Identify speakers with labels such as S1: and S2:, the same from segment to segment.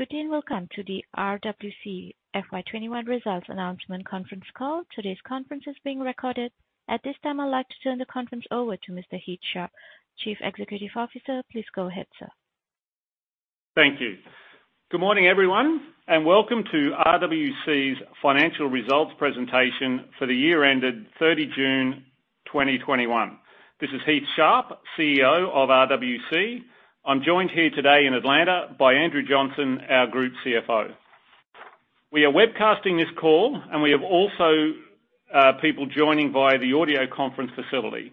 S1: Good day and welcome to the RWC FY 2021 Results Announcement Conference Call. Today's conference is being recorded. At this time, I'd like to turn the conference over to Mr. Heath Sharp, Chief Executive Officer. Please go ahead, sir.
S2: Thank you. Good morning, everyone, and welcome to RWC's financial results presentation for the year ended 30 June 2021. This is Heath Sharp, CEO of RWC. I'm joined here today in Atlanta by Andrew Johnson, our Group CFO. We are webcasting this call, and we have also people joining via the audio conference facility.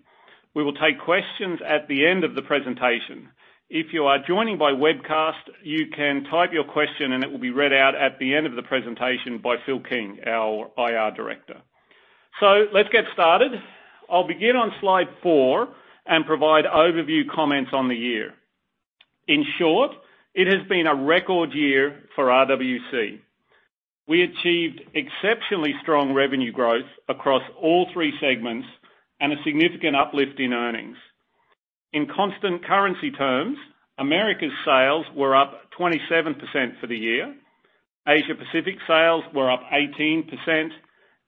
S2: We will take questions at the end of the presentation. If you are joining by webcast, you can type your question and it will be read out at the end of the presentation by Phil King, our IR Director. Let's get started. I'll begin on slide four and provide overview comments on the year. In short, it has been a record year for RWC. We achieved exceptionally strong revenue growth across all three segments and a significant uplift in earnings. In constant currency terms, Americas sales were up 27% for the year, Asia Pacific sales were up 18%,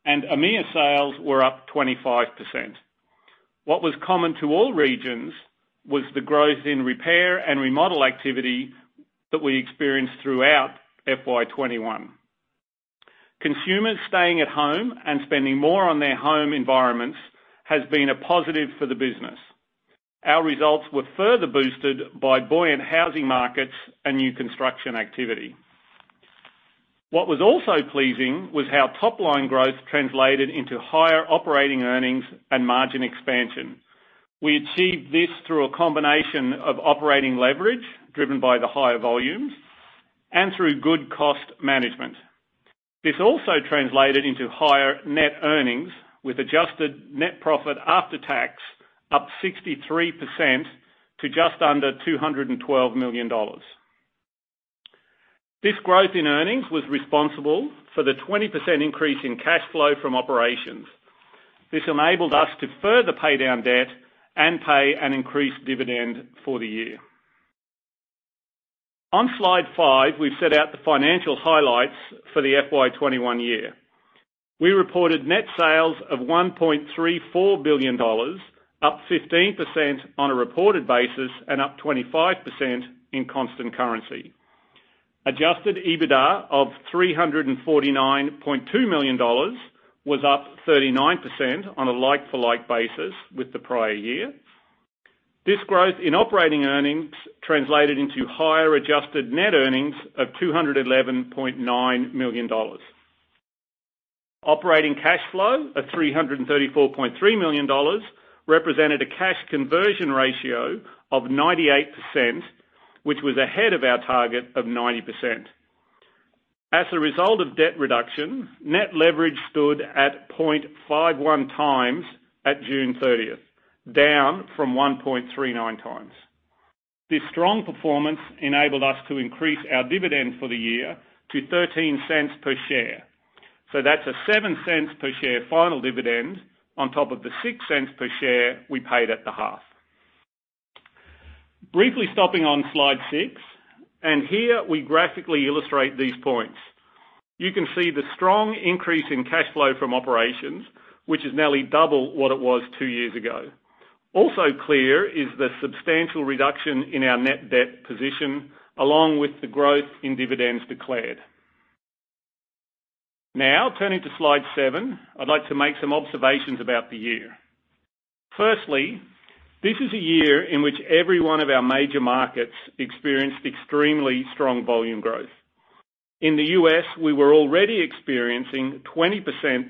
S2: and EMEA sales were up 25%. What was common to all regions was the growth in repair and remodel activity that we experienced throughout FY 2021. Consumers staying at home and spending more on their home environments has been a positive for the business. Our results were further boosted by buoyant housing markets and new construction activity. What was also pleasing was how top-line growth translated into higher operating earnings and margin expansion. We achieved this through a combination of operating leverage, driven by the higher volumes, and through good cost management. This also translated into higher net earnings, with adjusted net profit after tax up 63% to just under 212 million dollars. This growth in earnings was responsible for the 20% increase in cash flow from operations. This enabled us to further pay down debt and pay an increased dividend for the year. On slide five, we've set out the financial highlights for the FY 2021 year. We reported net sales of 1.34 billion dollars, up 15% on a reported basis and up 25% in constant currency. Adjusted EBITDA of 349.2 million dollars was up 39% on a like-for-like basis with the prior year. This growth in operating earnings translated into higher adjusted net earnings of 211.9 million dollars. Operating cash flow of 334.3 million dollars represented a cash conversion ratio of 98%, which was ahead of our target of 90%. As a result of debt reduction, net leverage stood at 0.51x at June 30th, down from 1.39x. This strong performance enabled us to increase our dividend for the year to 0.13 per share. That's an 0.07 per share final dividend on top of the 0.06 per share we paid at the half. Briefly stopping on slide six, here we graphically illustrate these points. You can see the strong increase in cash flow from operations, which is nearly double what it was two years ago. Also clear is the substantial reduction in our net debt position along with the growth in dividends declared. Turning to slide seven, I'd like to make some observations about the year. Firstly, this is a year in which every one of our major markets experienced extremely strong volume growth. In the U.S., we were already experiencing 20%+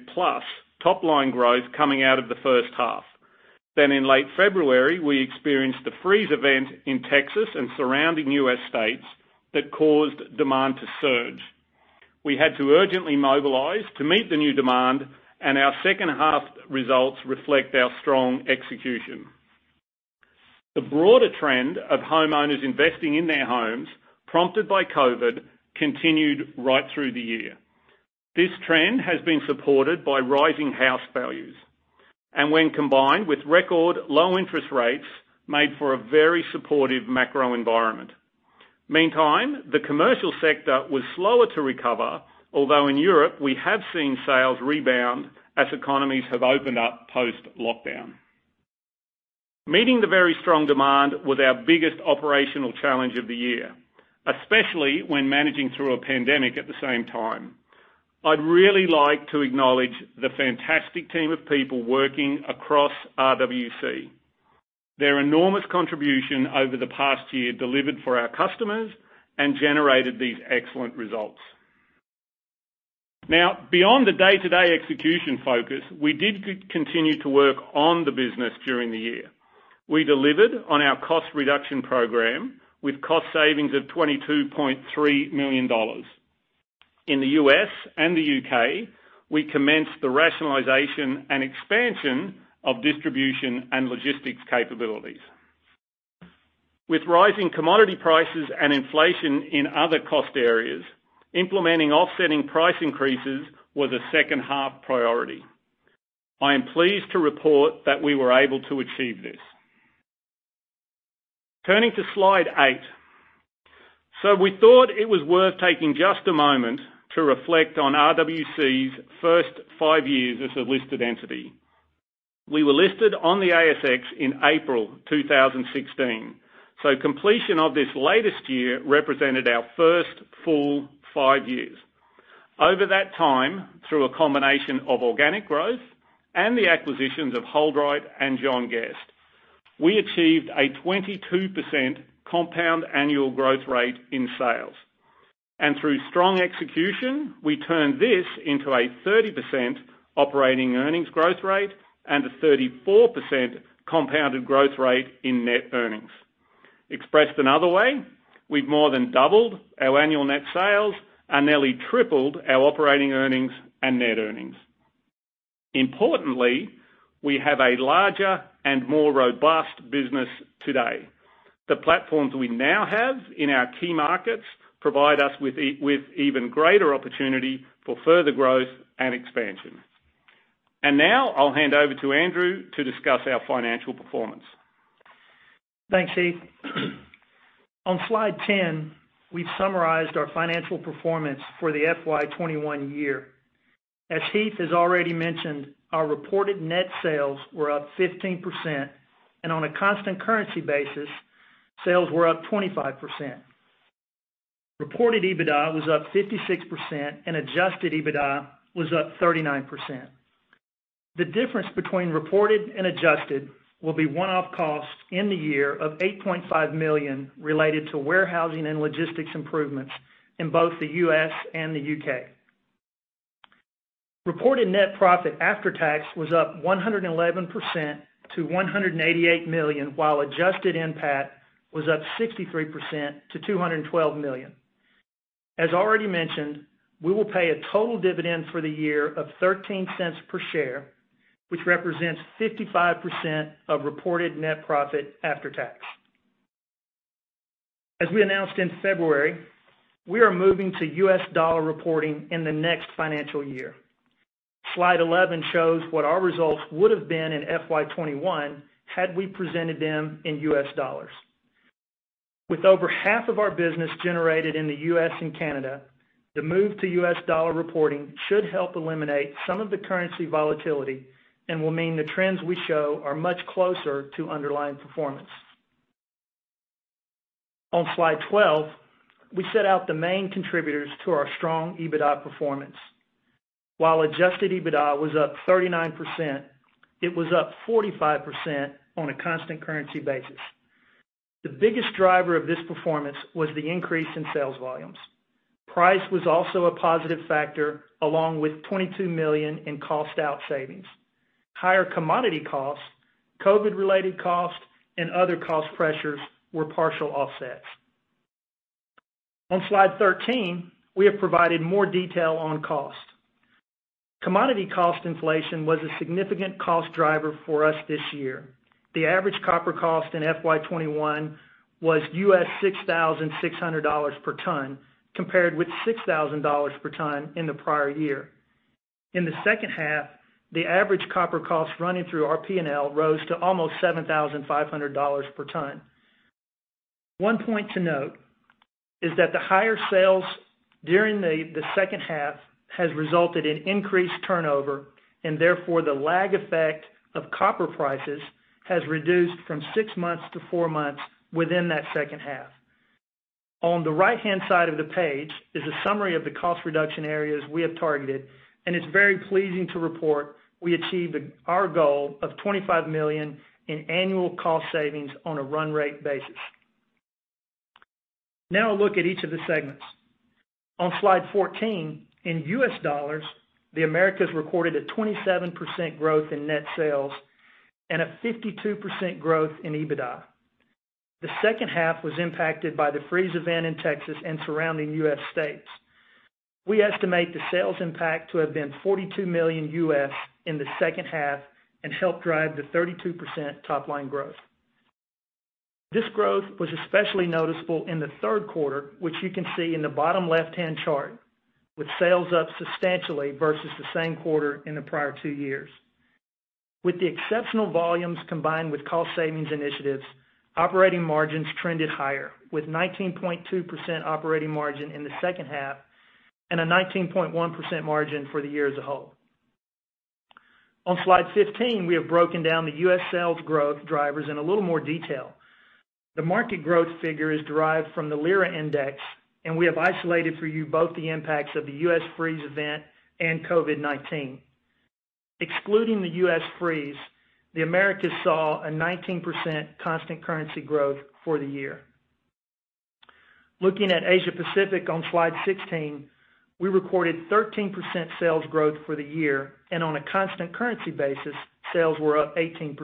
S2: top-line growth coming out of the first half. In late February, we experienced a freeze event in Texas and surrounding U.S. states that caused demand to surge. We had to urgently mobilize to meet the new demand, and our second half results reflect our strong execution. The broader trend of homeowners investing in their homes prompted by COVID continued right through the year. This trend has been supported by rising house values, and when combined with record low interest rates, made for a very supportive macro environment. Meantime, the commercial sector was slower to recover, although in Europe, we have seen sales rebound as economies have opened up post-lockdown. Meeting the very strong demand was our biggest operational challenge of the year, especially when managing through a pandemic at the same time. I'd really like to acknowledge the fantastic team of people working across RWC. Their enormous contribution over the past year delivered for our customers and generated these excellent results. Beyond the day-to-day execution focus, we did continue to work on the business during the year. We delivered on our cost reduction program with cost savings of 22.3 million dollars. In the U.S. and the U.K., we commenced the rationalization and expansion of distribution and logistics capabilities. With rising commodity prices and inflation in other cost areas, implementing offsetting price increases was a second half priority. I am pleased to report that we were able to achieve this. Turning to slide eight. We thought it was worth taking just a moment to reflect on RWC's first five years as a listed entity. We were listed on the ASX in April 2016, completion of this latest year represented our first full five years. Over that time, through a combination of organic growth and the acquisitions of HoldRite and John Guest, we achieved a 22% compound annual growth rate in sales. Through strong execution, we turned this into a 30% operating earnings growth rate and a 34% compounded growth rate in net earnings. Expressed another way, we've more than doubled our annual net sales and nearly tripled our operating earnings and net earnings. Importantly, we have a larger and more robust business today. The platforms we now have in our key markets provide us with even greater opportunity for further growth and expansion. Now I'll hand over to Andrew to discuss our financial performance.
S3: Thanks, Heath. On slide 10, we've summarized our financial performance for the FY 2021 year. As Heath has already mentioned, our reported net sales were up 15%, and on a constant currency basis, sales were up 25%. Reported EBITDA was up 56%, and adjusted EBITDA was up 39%. The difference between reported and adjusted will be one-off costs in the year of 8.5 million related to warehousing and logistics improvements in both the U.S. and the U.K. Reported net profit after tax was up 111% to 188 million, while adjusted NPAT was up 63% to 212 million. As already mentioned, we will pay a total dividend for the year of 0.13 per share, which represents 55% of reported net profit after tax. As we announced in February, we are moving to U.S. dollar reporting in the next financial year. Slide 11 shows what our results would've been in FY 2021 had we presented them in U.S. dollars. With over half of our business generated in the U.S. and Canada, the move to U.S. dollar reporting should help eliminate some of the currency volatility and will mean the trends we show are much closer to underlying performance. On Slide 12, we set out the main contributors to our strong EBITDA performance. While adjusted EBITDA was up 39%, it was up 45% on a constant currency basis. The biggest driver of this performance was the increase in sales volumes. Price was also a positive factor, along with 22 million in cost out savings. Higher commodity costs, COVID-related costs, and other cost pressures were partial offsets. On Slide 13, we have provided more detail on cost. Commodity cost inflation was a significant cost driver for us this year. The average copper cost in FY 2021 was $6,600 per ton, compared with $6,000 per ton in the prior year. In the second half, the average copper cost running through our P&L rose to almost $7,500 per ton. One point to note is that the higher sales during the second half has resulted in increased turnover. Therefore, the lag effect of copper prices has reduced from six months to four months within that second half. On the right-hand side of the page is a summary of the cost reduction areas we have targeted. It's very pleasing to report we achieved our goal of $25 million in annual cost savings on a run rate basis. A look at each of the segments. On slide 14, in U.S. dollars, the Americas recorded a 27% growth in net sales and a 52% growth in EBITDA. The second half was impacted by the freeze event in Texas and surrounding U.S. states. We estimate the sales impact to have been $42 million in the second half and helped drive the 32% top-line growth. This growth was especially noticeable in the third quarter, which you can see in the bottom left-hand chart, with sales up substantially versus the same quarter in the prior two years. With the exceptional volumes combined with cost savings initiatives, operating margins trended higher with 19.2% operating margin in the second half and a 19.1% margin for the year as a whole. On slide 15, we have broken down the U.S. sales growth drivers in a little more detail. The market growth figure is derived from the LIRA Index, and we have isolated for you both the impacts of the U.S. freeze event and COVID-19. Excluding the U.S. freeze, the Americas saw a 19% constant currency growth for the year. Looking at Asia Pacific on slide 16, we recorded 13% sales growth for the year, and on a constant currency basis, sales were up 18%.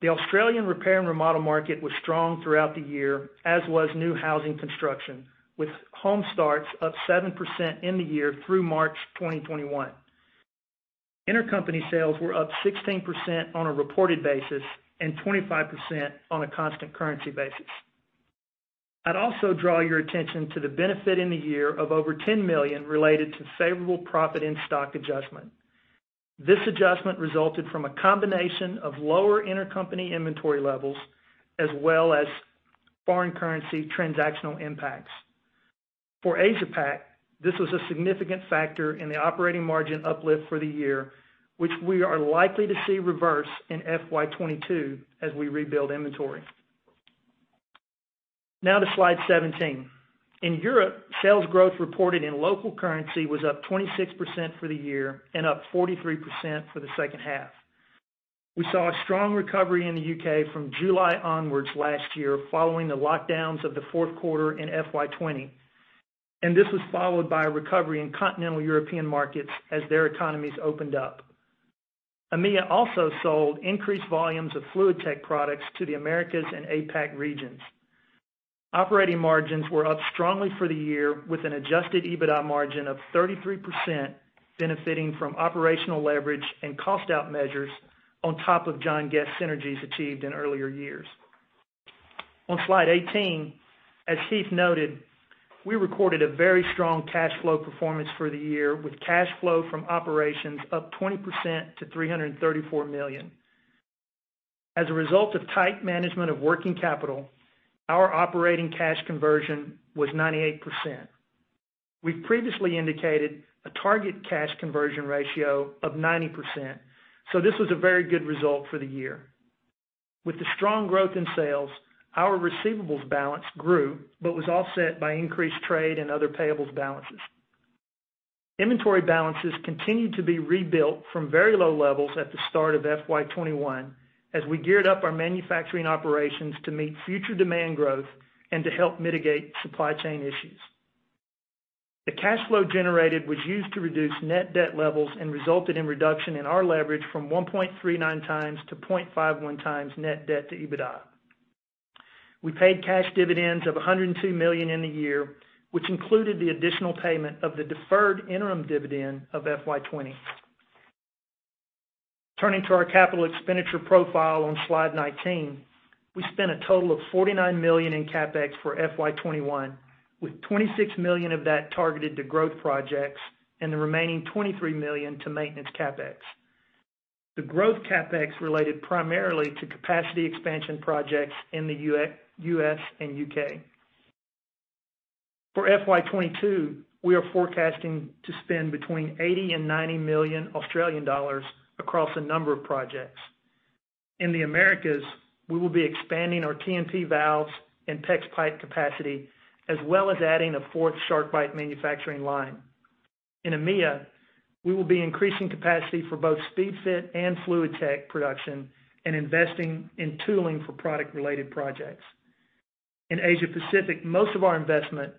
S3: The Australian repair and remodel market was strong throughout the year, as was new housing construction, with home starts up 7% in the year through March 2021. Intercompany sales were up 16% on a reported basis and 25% on a constant currency basis. I'd also draw your attention to the benefit in the year of over 10 million related to favorable profit in stock adjustment. This adjustment resulted from a combination of lower intercompany inventory levels, as well as foreign currency transactional impacts. For Asia Pac, this was a significant factor in the operating margin uplift for the year, which we are likely to see reverse in FY 2022 as we rebuild inventory. Now to slide 17. In Europe, sales growth reported in local currency was up 26% for the year and up 43% for the second half. We saw a strong recovery in the U.K. from July onwards last year following the lockdowns of the fourth quarter in FY 2020, and this was followed by a recovery in continental European markets as their economies opened up. EMEA also sold increased volumes of FluidTech products to the Americas and APAC regions. Operating margins were up strongly for the year with an adjusted EBITDA margin of 33%, benefiting from operational leverage and cost out measures on top of John Guest synergies achieved in earlier years. On slide 18, as Heath noted, we recorded a very strong cash flow performance for the year with cash flow from operations up 20% to 334 million. As a result of tight management of working capital, our operating cash conversion was 98%. We previously indicated a target cash conversion ratio of 90%, so this was a very good result for the year. With the strong growth in sales, our receivables balance grew but was offset by increased trade and other payables balances. Inventory balances continued to be rebuilt from very low levels at the start of FY 2021 as we geared up our manufacturing operations to meet future demand growth and to help mitigate supply chain issues. The cash flow generated was used to reduce net debt levels and resulted in reduction in our leverage from 1.39x to 0.51x net debt to EBITDA. We paid cash dividends of 102 million in the year, which included the additional payment of the deferred interim dividend of FY 2020. Turning to our capital expenditure profile on slide 19. We spent a total of 49 million in CapEx for FY 2021, with 26 million of that targeted to growth projects and the remaining 23 million to maintenance CapEx. The growth CapEx related primarily to capacity expansion projects in the U.S. and U.K. For FY 2022, we are forecasting to spend between 80 million and 90 million Australian dollars across a number of projects. In the Americas, we will be expanding our T&P valves and PEX pipe capacity, as well as adding a fourth SharkBite manufacturing line. In EMEA, we will be increasing capacity for both Speedfit and FluidTech production and investing in tooling for product related projects. In Asia Pacific, most of our investment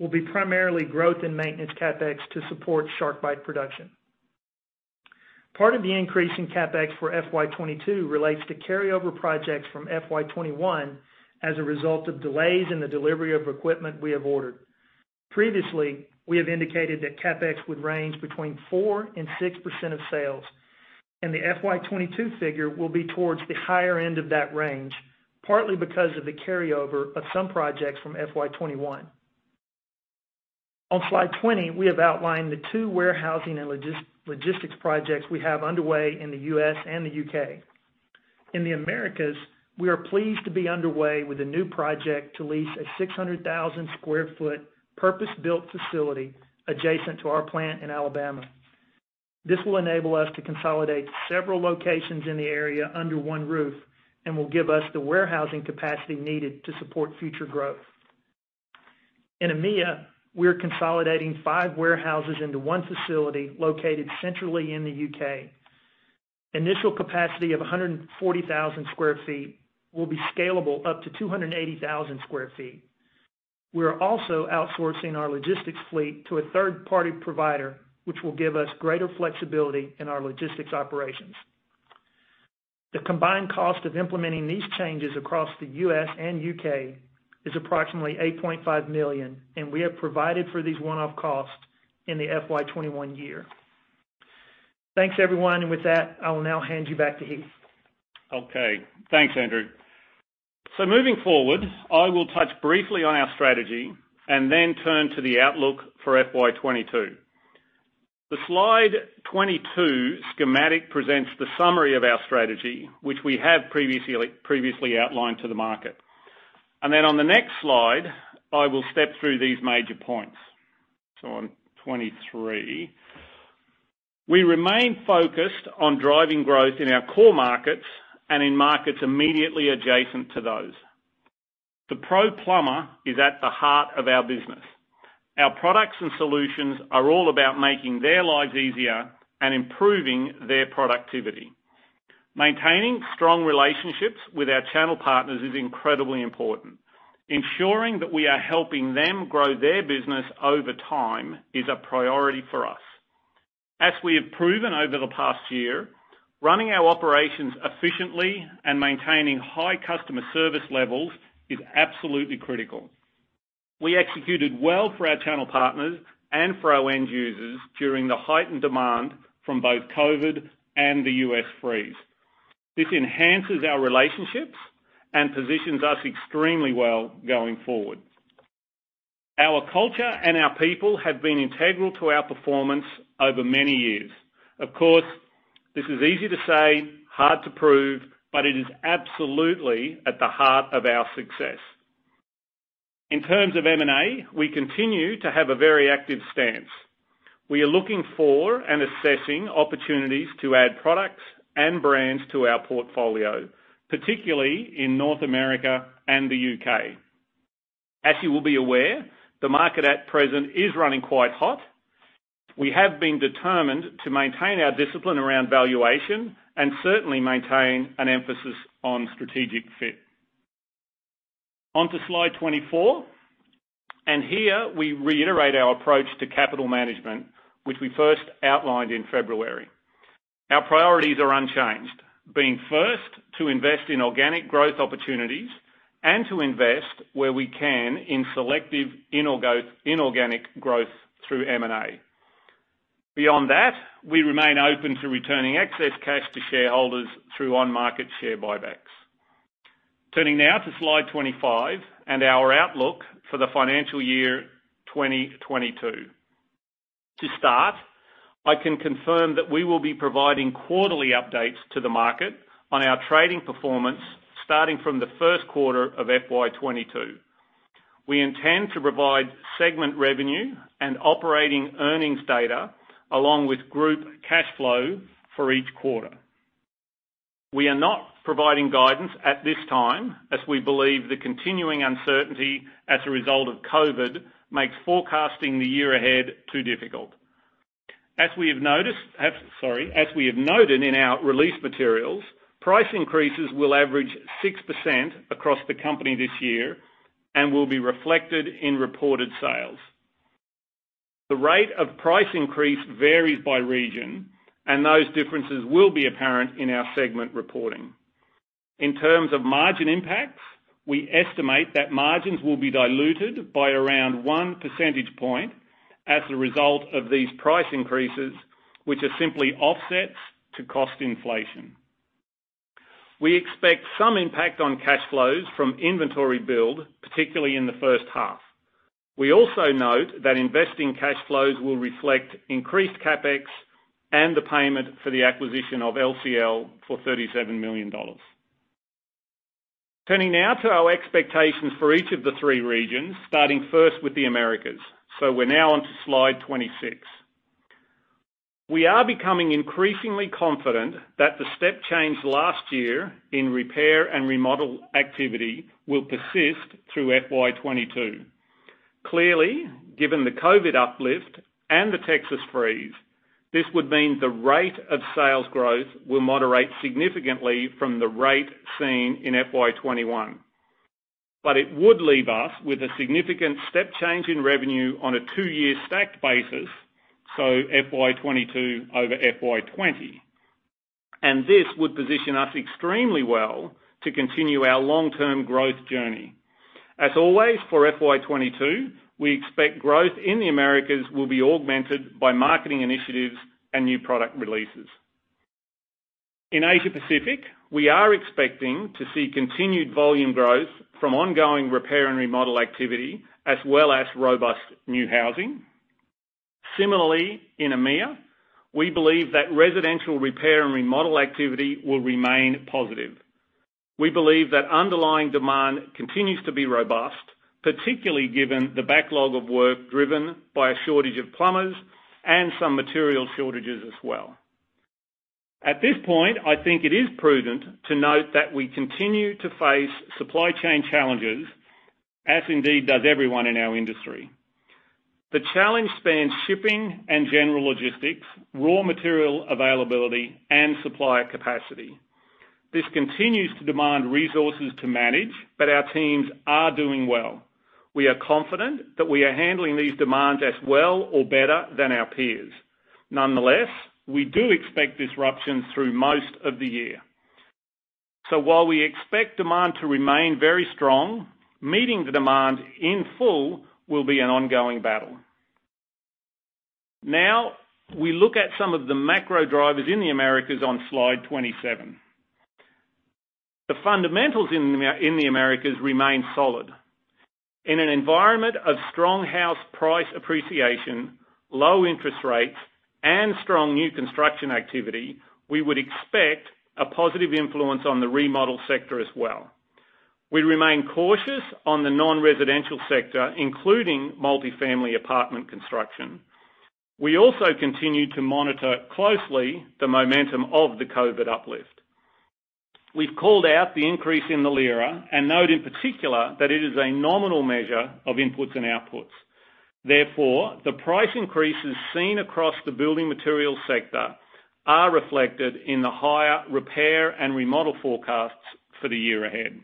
S3: will be primarily growth in maintenance CapEx to support SharkBite production. Part of the increase in CapEx for FY 2022 relates to carryover projects from FY 2021 as a result of delays in the delivery of equipment we have ordered. Previously, we have indicated that CapEx would range between 4% and 6% of sales, and the FY 2022 figure will be towards the higher end of that range, partly because of the carryover of some projects from FY 2021. On slide 20, we have outlined the two warehousing and logistics projects we have underway in the U.S. and the U.K. In the Americas, we are pleased to be underway with a new project to lease a 600,000 sq ft purpose-built facility adjacent to our plant in Alabama. This will enable us to consolidate several locations in the area under one roof and will give us the warehousing capacity needed to support future growth. In EMEA, we're consolidating five warehouses into one facility located centrally in the U.K. Initial capacity of 140,000 sq ft will be scalable up to 280,000 sq ft. We are also outsourcing our logistics fleet to a third-party provider, which will give us greater flexibility in our logistics operations. The combined cost of implementing these changes across the U.S. and U.K. is approximately $8.5 million, and we have provided for these one-off costs in the FY 2021 year. Thanks, everyone. With that, I will now hand you back to Heath.
S2: Okay. Thanks, Andrew. Moving forward, I will touch briefly on our strategy and then turn to the outlook for FY 2022. The slide 22 schematic presents the summary of our strategy, which we have previously outlined to the market. On the next slide, I will step through these major points. On 23. We remain focused on driving growth in our core markets and in markets immediately adjacent to those. The pro plumber is at the heart of our business. Our products and solutions are all about making their lives easier and improving their productivity. Maintaining strong relationships with our channel partners is incredibly important. Ensuring that we are helping them grow their business over time is a priority for us. As we have proven over the past year, running our operations efficiently and maintaining high customer service levels is absolutely critical. We executed well for our channel partners and for our end users during the heightened demand from both COVID and the U.S. freeze. This enhances our relationships and positions us extremely well going forward. Our culture and our people have been integral to our performance over many years. Of course, this is easy to say, hard to prove, but it is absolutely at the heart of our success. In terms of M&A, we continue to have a very active stance. We are looking for and assessing opportunities to add products and brands to our portfolio, particularly in North America and the U.K. As you will be aware, the market at present is running quite hot. We have been determined to maintain our discipline around valuation and certainly maintain an emphasis on strategic fit. On to slide 24, here we reiterate our approach to capital management, which we first outlined in February. Our priorities are unchanged, being first to invest in organic growth opportunities and to invest where we can in selective inorganic growth through M&A. Beyond that, we remain open to returning excess cash to shareholders through on-market share buybacks. Turning now to slide 25 and our outlook for the financial year 2022. To start, I can confirm that we will be providing quarterly updates to the market on our trading performance starting from the first quarter of FY 2022. We intend to provide segment revenue and operating earnings data along with group cash flow for each quarter. We are not providing guidance at this time, as we believe the continuing uncertainty as a result of COVID makes forecasting the year ahead too difficult. As we have noted in our release materials, price increases will average 6% across the company this year and will be reflected in reported sales. The rate of price increase varies by region, and those differences will be apparent in our segment reporting. In terms of margin impacts, we estimate that margins will be diluted by around 1 percentage point as a result of these price increases, which are simply offsets to cost inflation. We expect some impact on cash flows from inventory build, particularly in the first half. We also note that investing cash flows will reflect increased CapEx and the payment for the acquisition of LCL for 37 million dollars. Turning now to our expectations for each of the three regions, starting first with the Americas. We're now onto slide 26. We are becoming increasingly confident that the step change last year in repair and remodel activity will persist through FY 2022. Clearly, given the COVID uplift and the Texas freeze, this would mean the rate of sales growth will moderate significantly from the rate seen in FY 2021. It would leave us with a significant step change in revenue on a two-year stacked basis, so FY 2022 over FY 2020. This would position us extremely well to continue our long-term growth journey. As always, for FY 2022, we expect growth in the Americas will be augmented by marketing initiatives and new product releases. In Asia Pacific, we are expecting to see continued volume growth from ongoing repair and remodel activity, as well as robust new housing. Similarly, in EMEA, we believe that residential repair and remodel activity will remain positive. We believe that underlying demand continues to be robust, particularly given the backlog of work driven by a shortage of plumbers and some material shortages as well. At this point, I think it is prudent to note that we continue to face supply chain challenges, as indeed does everyone in our industry. The challenge spans shipping and general logistics, raw material availability, and supplier capacity. This continues to demand resources to manage, but our teams are doing well. We are confident that we are handling these demands as well or better than our peers. Nonetheless, we do expect disruption through most of the year. While we expect demand to remain very strong, meeting the demand in full will be an ongoing battle. We look at some of the macro drivers in the Americas on slide 27. The fundamentals in the Americas remain solid. In an environment of strong house price appreciation, low interest rates, and strong new construction activity, we would expect a positive influence on the remodel sector as well. We remain cautious on the non-residential sector, including multifamily apartment construction. We also continue to monitor closely the momentum of the COVID uplift. We've called out the increase in the LIRA and note in particular that it is a nominal measure of inputs and outputs. The price increases seen across the building materials sector are reflected in the higher repair and remodel forecasts for the year ahead.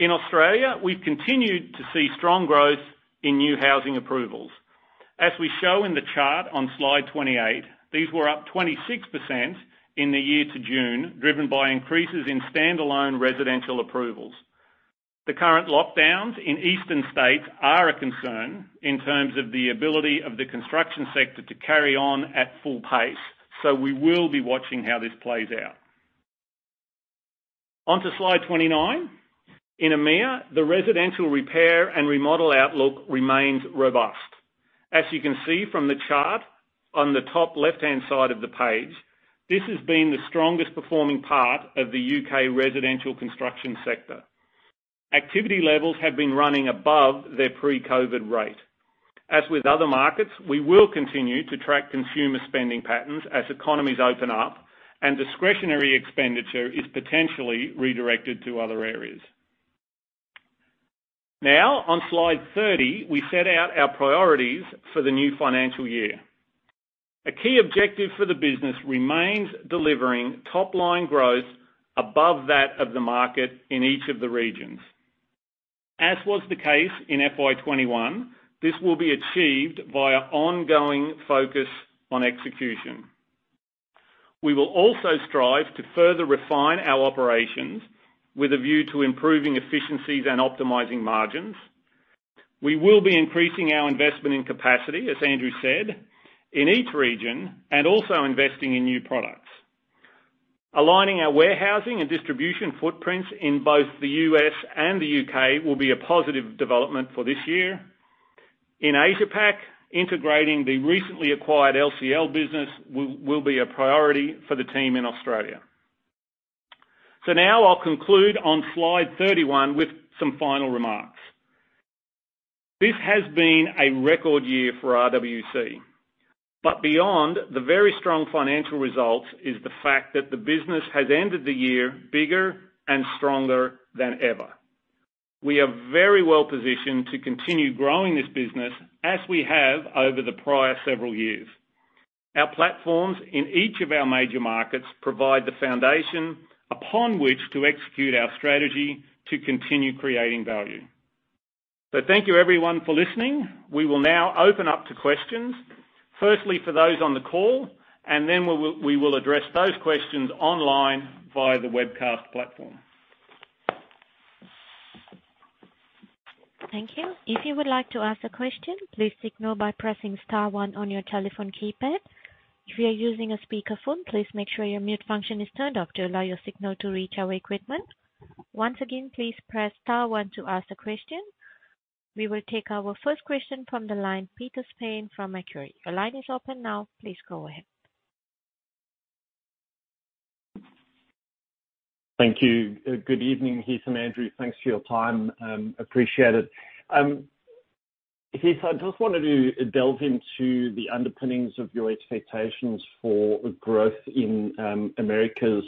S2: In Australia, we've continued to see strong growth in new housing approvals. As we show in the chart on slide 28, these were up 26% in the year to June, driven by increases in standalone residential approvals. The current lockdowns in eastern states are a concern in terms of the ability of the construction sector to carry on at full pace. We will be watching how this plays out. On to slide 29. In EMEA, the residential repair and remodel outlook remains robust. As you can see from the chart on the top left-hand side of the page, this has been the strongest performing part of the U.K. residential construction sector. Activity levels have been running above their pre-COVID rate. As with other markets, we will continue to track consumer spending patterns as economies open up and discretionary expenditure is potentially redirected to other areas. On slide 30, we set out our priorities for the new financial year. A key objective for the business remains delivering top-line growth above that of the market in each of the regions. As was the case in FY 2021, this will be achieved via ongoing focus on execution. We will also strive to further refine our operations with a view to improving efficiencies and optimizing margins. We will be increasing our investment in capacity, as Andrew said, in each region, and also investing in new products. Aligning our warehousing and distribution footprints in both the U.S. and the U.K. will be a positive development for this year. In Asia-Pac, integrating the recently acquired LCL business will be a priority for the team in Australia. Now I'll conclude on slide 31 with some final remarks. This has been a record year for RWC. Beyond the very strong financial results is the fact that the business has ended the year bigger and stronger than ever. We are very well-positioned to continue growing this business as we have over the prior several years. Our platforms in each of our major markets provide the foundation upon which to execute our strategy to continue creating value. Thank you, everyone, for listening. We will now open up to questions. Firstly, for those on the call, and then we will address those questions online via the webcast platform.
S1: Thank you. If you would like to ask a question, please signal by pressing star one on your telephone keypad. If you are using a speakerphone, please make sure your mute function is turned up to allow your signal to reach our equipment. Once again, please press star one to ask a question. We will take our first question from the line, Peter Steyn from Macquarie. Your line is open now. Please go ahead.
S4: Thank you. Good evening, Heath and Andrew. Thanks for your time, appreciate it. Heath, I just wanted to delve into the underpinnings of your expectations for growth in Americas.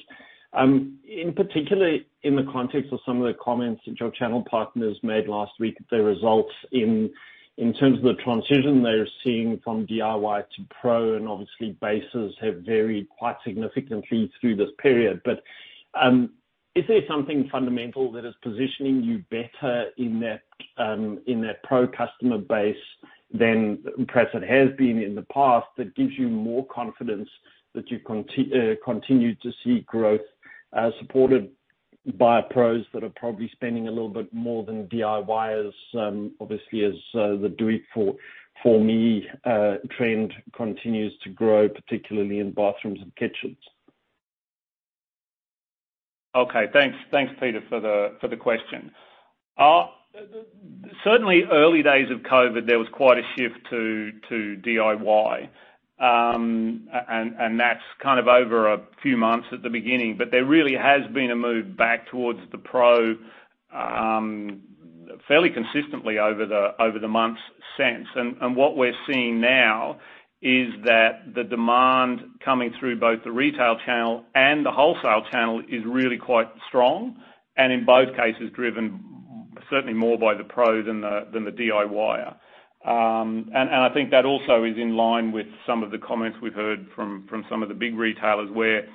S4: In particular, in the context of some of the comments that your channel partners made last week, their results in terms of the transition they're seeing from DIY to Pro, and obviously bases have varied quite significantly through this period. Is there something fundamental that is positioning you better in that Pro customer base than perhaps it has been in the past that gives you more confidence that you continue to see growth supported by Pros that are probably spending a little bit more than DIYs, obviously as the do it for me trend continues to grow, particularly in bathrooms and kitchens?
S2: Thanks, Peter, for the question. Certainly early days of COVID, there was quite a shift to DIY. That's over a few months at the beginning, but there really has been a move back towards the pro fairly consistently over the months since. What we're seeing now is that the demand coming through both the retail channel and the wholesale channel is really quite strong, and in both cases driven certainly more by the pro than the DIY. I think that also is in line with some of the comments we've heard from some of the big retailers where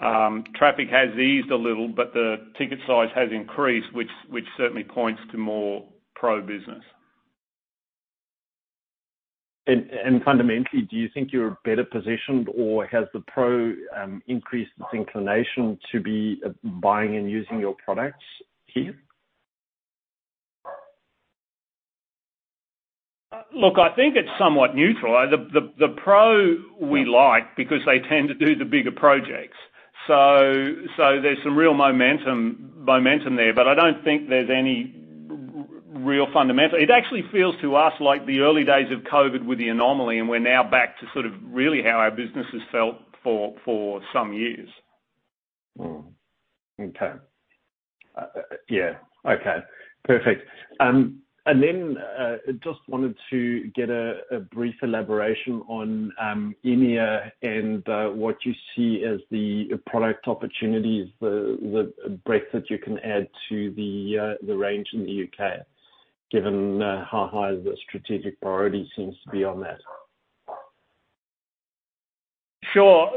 S2: traffic has eased a little, but the ticket size has increased, which certainly points to more pro business.
S4: Fundamentally, do you think you're better positioned or has the pro increased its inclination to be buying and using your products here?
S2: Look, I think it's somewhat neutral. The pro we like because they tend to do the bigger projects. There's some real momentum there, but I don't think there's any real fundamental. It actually feels to us like the early days of COVID were the anomaly, and we're now back to sort of really how our business has felt for some years.
S4: Okay. Yeah. Okay, perfect. Then, just wanted to get a brief elaboration on EMEA and what you see as the product opportunities, the breadth that you can add to the range in the U.K., given how high the strategic priority seems to be on that.
S2: Sure.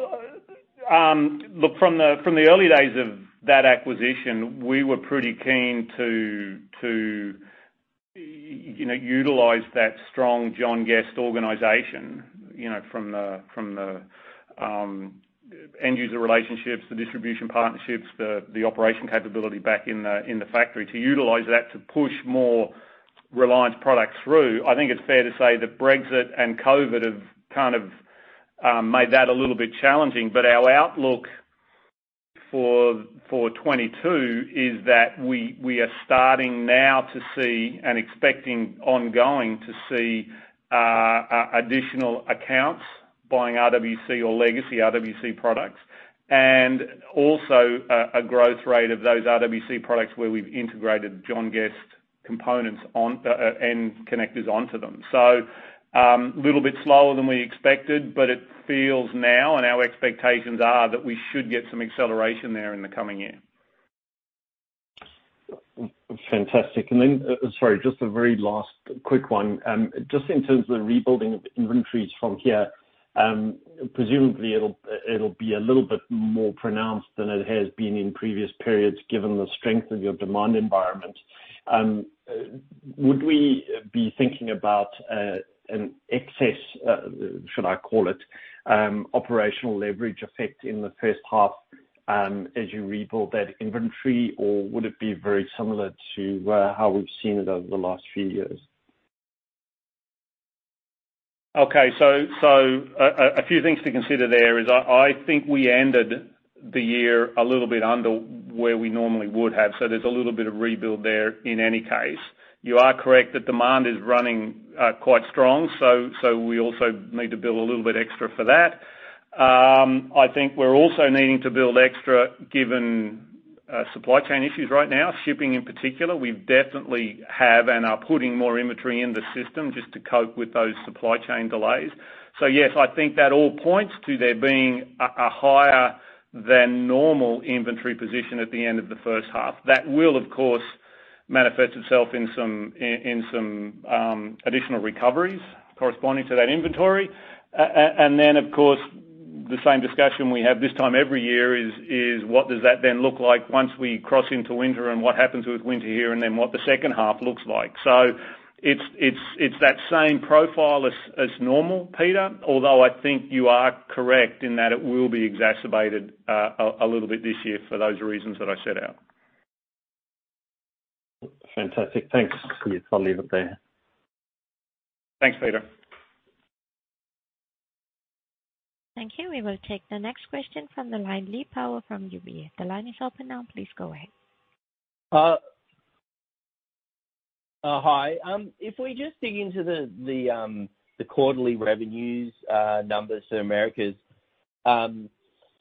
S2: Look, from the early days of that acquisition, we were pretty keen to utilize that strong John Guest organization from the end-user relationships, the distribution partnerships, the operation capability back in the factory to utilize that to push more Reliance products through. I think it's fair to say that Brexit and COVID have kind of made that a little bit challenging. Our outlook for 2022 is that we are starting now to see and expecting ongoing to see additional accounts buying RWC or legacy RWC products. Also, a growth rate of those RWC products where we’ve integrated John Guest components and connectors onto them. Little bit slower than we expected, but it feels now and our expectations are that we should get some acceleration there in the coming year.
S4: Fantastic. Then, sorry, just a very last quick one. Just in terms of the rebuilding of inventories from here, presumably it'll be a little bit more pronounced than it has been in previous periods given the strength of your demand environment. Would we be thinking about an excess, should I call it, operational leverage effect in the first half as you rebuild that inventory? Would it be very similar to how we've seen it over the last few years?
S2: A few things to consider there is I think we ended the year a little bit under where we normally would have. You are correct that demand is running quite strong, so we also need to build a little bit extra for that. I think we're also needing to build extra given supply chain issues right now, shipping in particular. We definitely have and are putting more inventory in the system just to cope with those supply chain delays. Yes, I think that all points to there being a higher than normal inventory position at the end of the first half. That will of course manifest itself in some additional recoveries corresponding to that inventory. Of course, the same discussion we have this time every year is what does that then look like once we cross into winter and what happens with winter here and then what the second half looks like. It's that same profile as normal, Peter, although I think you are correct in that it will be exacerbated a little bit this year for those reasons that I set out.
S4: Fantastic. Thanks. I'll leave it there.
S2: Thanks, Peter.
S1: Thank you. We will take the next question from the line, Lee Power from UBS. The line is open now, please go ahead.
S5: Hi. If we just dig into the quarterly revenues numbers for Americas.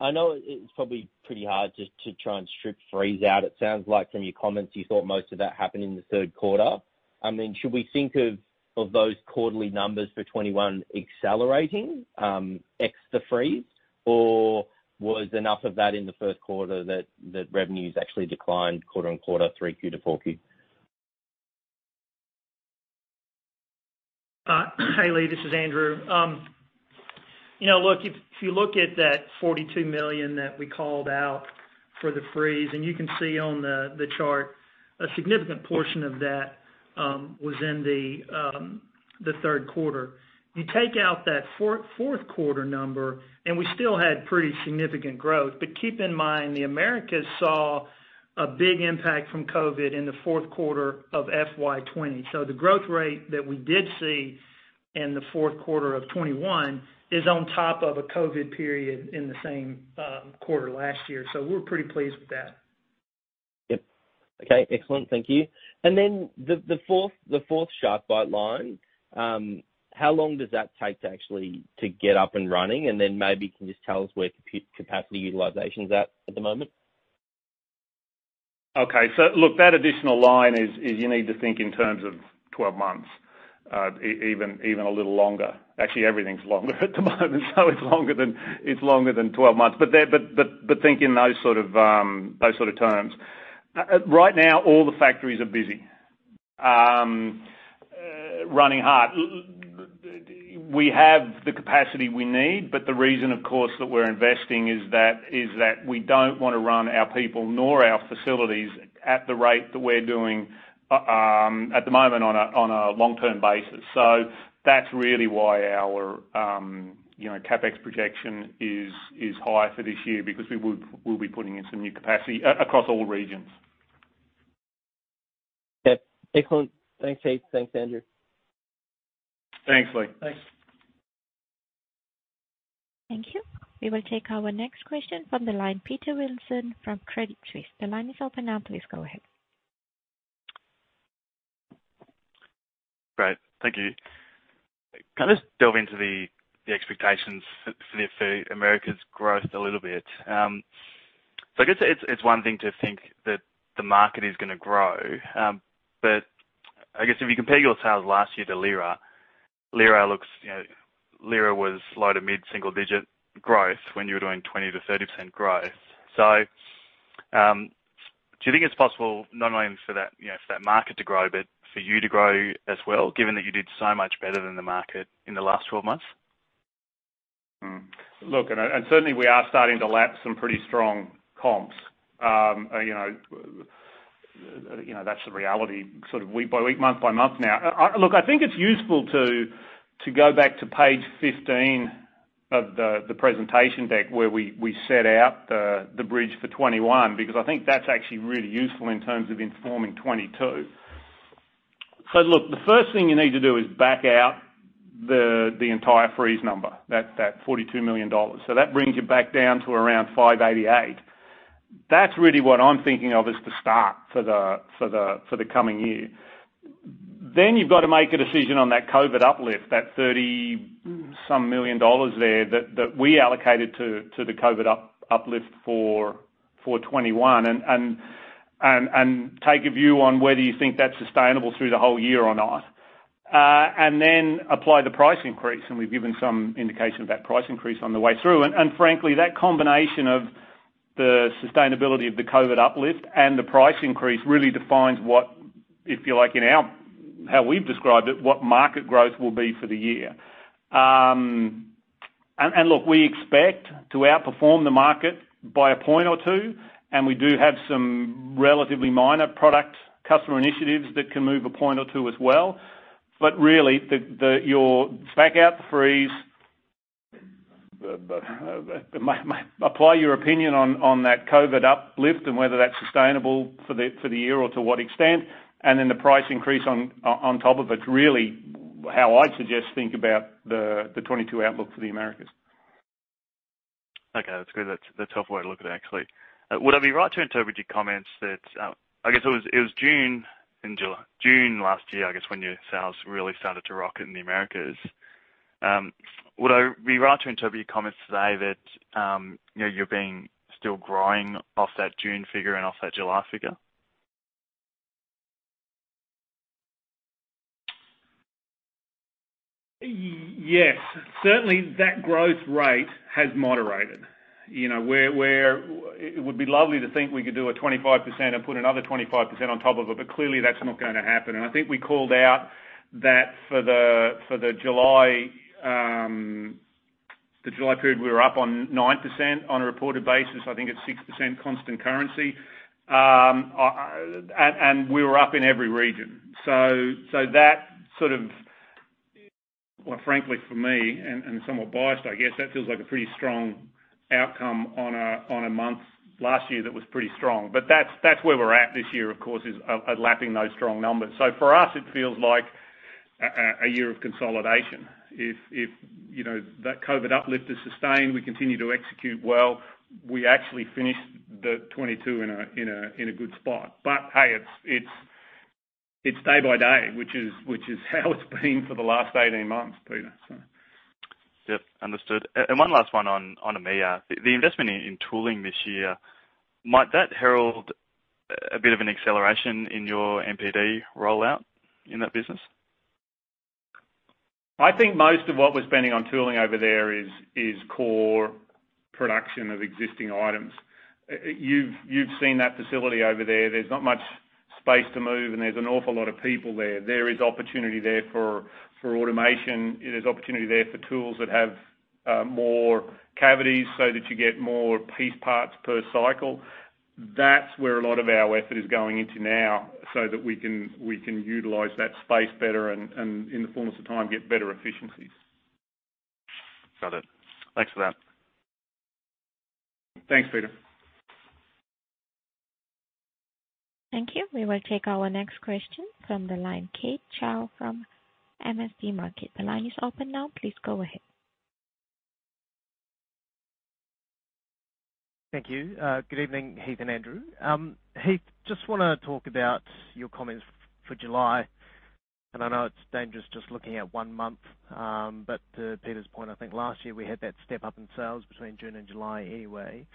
S5: I know it's probably pretty hard just to try and strip freeze out. It sounds like from your comments you thought most of that happened in the third quarter. Should we think of those quarterly numbers for 2021 accelerating, ex the freeze, or was enough of that in the first quarter that revenues actually declined quarter-on-quarter 3Q to 4Q?
S3: Hi, Lee, this is Andrew. If you look at that 42 million that we called out for the freeze, you can see on the chart, a significant portion of that was in the third quarter. You take out that fourth quarter number, we still had pretty significant growth. Keep in mind, the Americas saw a big impact from COVID in the fourth quarter of FY 2020. The growth rate that we did see in the fourth quarter of FY 2021 is on top of a COVID period in the same quarter last year. We're pretty pleased with that.
S5: Yep. Okay. Excellent. Thank you. The fourth SharkBite line, how long does that take to actually to get up and running? Maybe you can just tell us where capacity utilization's at the moment?
S2: Okay. Look, that additional line is you need to think in terms of 12 months, even a little longer. Actually, everything's longer at the moment so it's longer than 12 months. Think in those sort of terms. Right now, all the factories are busy. Running hot. We have the capacity we need, but the reason of course that we're investing is that we don't want to run our people nor our facilities at the rate that we're doing at the moment on a long-term basis. That's really why our CapEx projection is high for this year because we will be putting in some new capacity across all regions.
S5: Okay, excellent. Thanks, Heath. Thanks, Andrew.
S2: Thanks, Lee.
S3: Thanks.
S1: Thank you. We will take our next question from the line, Peter Wilson from Credit Suisse. The line is open now, please go ahead.
S6: Great. Thank you. Can I just delve into the expectations for the Americas growth a little bit? I guess it's one thing to think that the market is going to grow. I guess if you compare your sales last year to LIRA. LIRA was low to mid-single digit growth when you were doing 20%-30% growth. Do you think it's possible not only for that market to grow, but for you to grow as well, given that you did so much better than the market in the last 12 months?
S2: Look, certainly we are starting to lap some pretty strong comps. That's the reality week by week, month by month now. Look, I think it's useful to go back to page 15 of the presentation deck where we set out the bridge for 2021, because I think that's actually really useful in terms of informing 2022. Look, the first thing you need to do is back out the entire freeze number, that 42 million dollars. That brings you back down to around 588 million. That's really what I'm thinking of as the start for the coming year. You've got to make a decision on that COVID uplift, that 30 some million there that we allocated to the COVID uplift for 2021, take a view on whether you think that's sustainable through the whole year or not. Then apply the price increase, and we've given some indication of that price increase on the way through. Frankly, that combination of the sustainability of the COVID uplift and the price increase really defines what, if you like, in how we've described it, what market growth will be for the year. Look, we expect to outperform the market by a point or two, and we do have some relatively minor product customer initiatives that can move a point or two as well. Really, you'll smack out the freeze, apply your opinion on that COVID uplift and whether that's sustainable for the year or to what extent, and then the price increase on top of it, really how I'd suggest think about the 2022 outlook for the Americas.
S6: Okay. That's good. That's a helpful way to look at it, actually. Would I be right to interpret your comments that I guess it was June and July. June last year, I guess, when your sales really started to rock in the Americas. Would I be right to interpret your comments today that you're being still growing off that June figure and off that July figure?
S2: Yes. Certainly, that growth rate has moderated. Where it would be lovely to think we could do a 25% and put another 25% on top of it, clearly that's not going to happen. I think we called out that for the July period, we were up on 9% on a reported basis. I think it's 6% constant currency. We were up in every region. That, frankly, for me, and somewhat biased I guess, that feels like a pretty strong outcome on a month last year that was pretty strong. That's where we're at this year, of course, is at lapping those strong numbers. For us, it feels like a year of consolidation. If that COVID uplift is sustained, we continue to execute well, we actually finish the FY 2022 in a good spot. Hey, it's day by day, which is how it's been for the last 18 months, Peter.
S6: Yep. Understood. One last one on EMEA. The investment in tooling this year, might that herald a bit of an acceleration in your NPD rollout in that business?
S2: I think most of what we're spending on tooling over there is core production of existing items. You've seen that facility over there. There's not much space to move, and there's an awful lot of people there. There is opportunity there for automation. There's opportunity there for tools that have more cavities so that you get more piece parts per cycle. That's where a lot of our effort is going into now so that we can utilize that space better and, in the fullness of time, get better efficiencies.
S6: Got it. Thanks for that.
S2: Thanks, Peter.
S1: Thank you. We will take our next question from the line, Keith Chau from MST Marquee. The line is open now. Please go ahead.
S7: Thank you. Good evening, Heath Sharp and Andrew Johnson. Heath Sharp, just want to talk about your comments for July. I know it's dangerous just looking at one month. To Peter Steyn's point, I think last year we had that step up in sales between June and July anyway.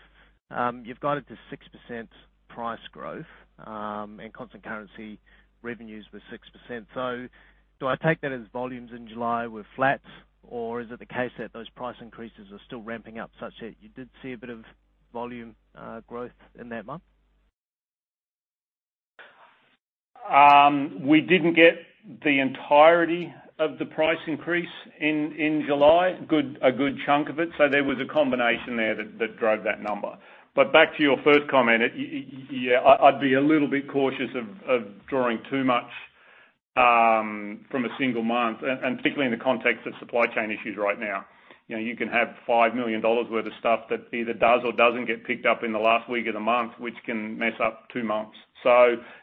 S7: You've guided to 6% price growth, and constant currency revenues were 6%. Do I take that as volumes in July were flat, or is it the case that those price increases are still ramping up such that you did see a bit of volume growth in that month?
S2: We didn't get the entirety of the price increase in July. We got a good chunk of it. There was a combination there that drove that number. Back to your first comment, yeah, I'd be a little bit cautious of drawing too much from a single month, and particularly in the context of supply chain issues right now. You can have 5 million dollars worth of stuff that either does or doesn't get picked up in the last week of the month, which can mess up two months.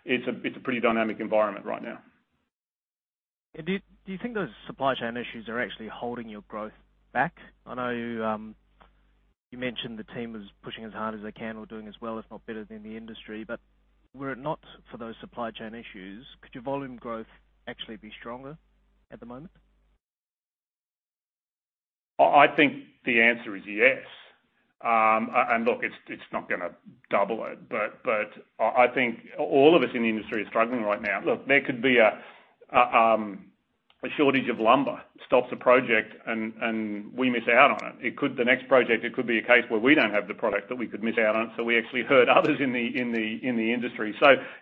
S2: It's a pretty dynamic environment right now.
S7: Do you think those supply chain issues are actually holding your growth back? I know you mentioned the team was pushing as hard as they can or doing as well, if not better than the industry. Were it not for those supply chain issues, could your volume growth actually be stronger at the moment?
S2: I think the answer is yes. Look, it's not gonna double it. I think all of us in the industry are struggling right now. Look, there could be a shortage of lumber stops a project, we miss out on it. The next project, it could be a case where we don't have the product that we could miss out on, we actually hurt others in the industry.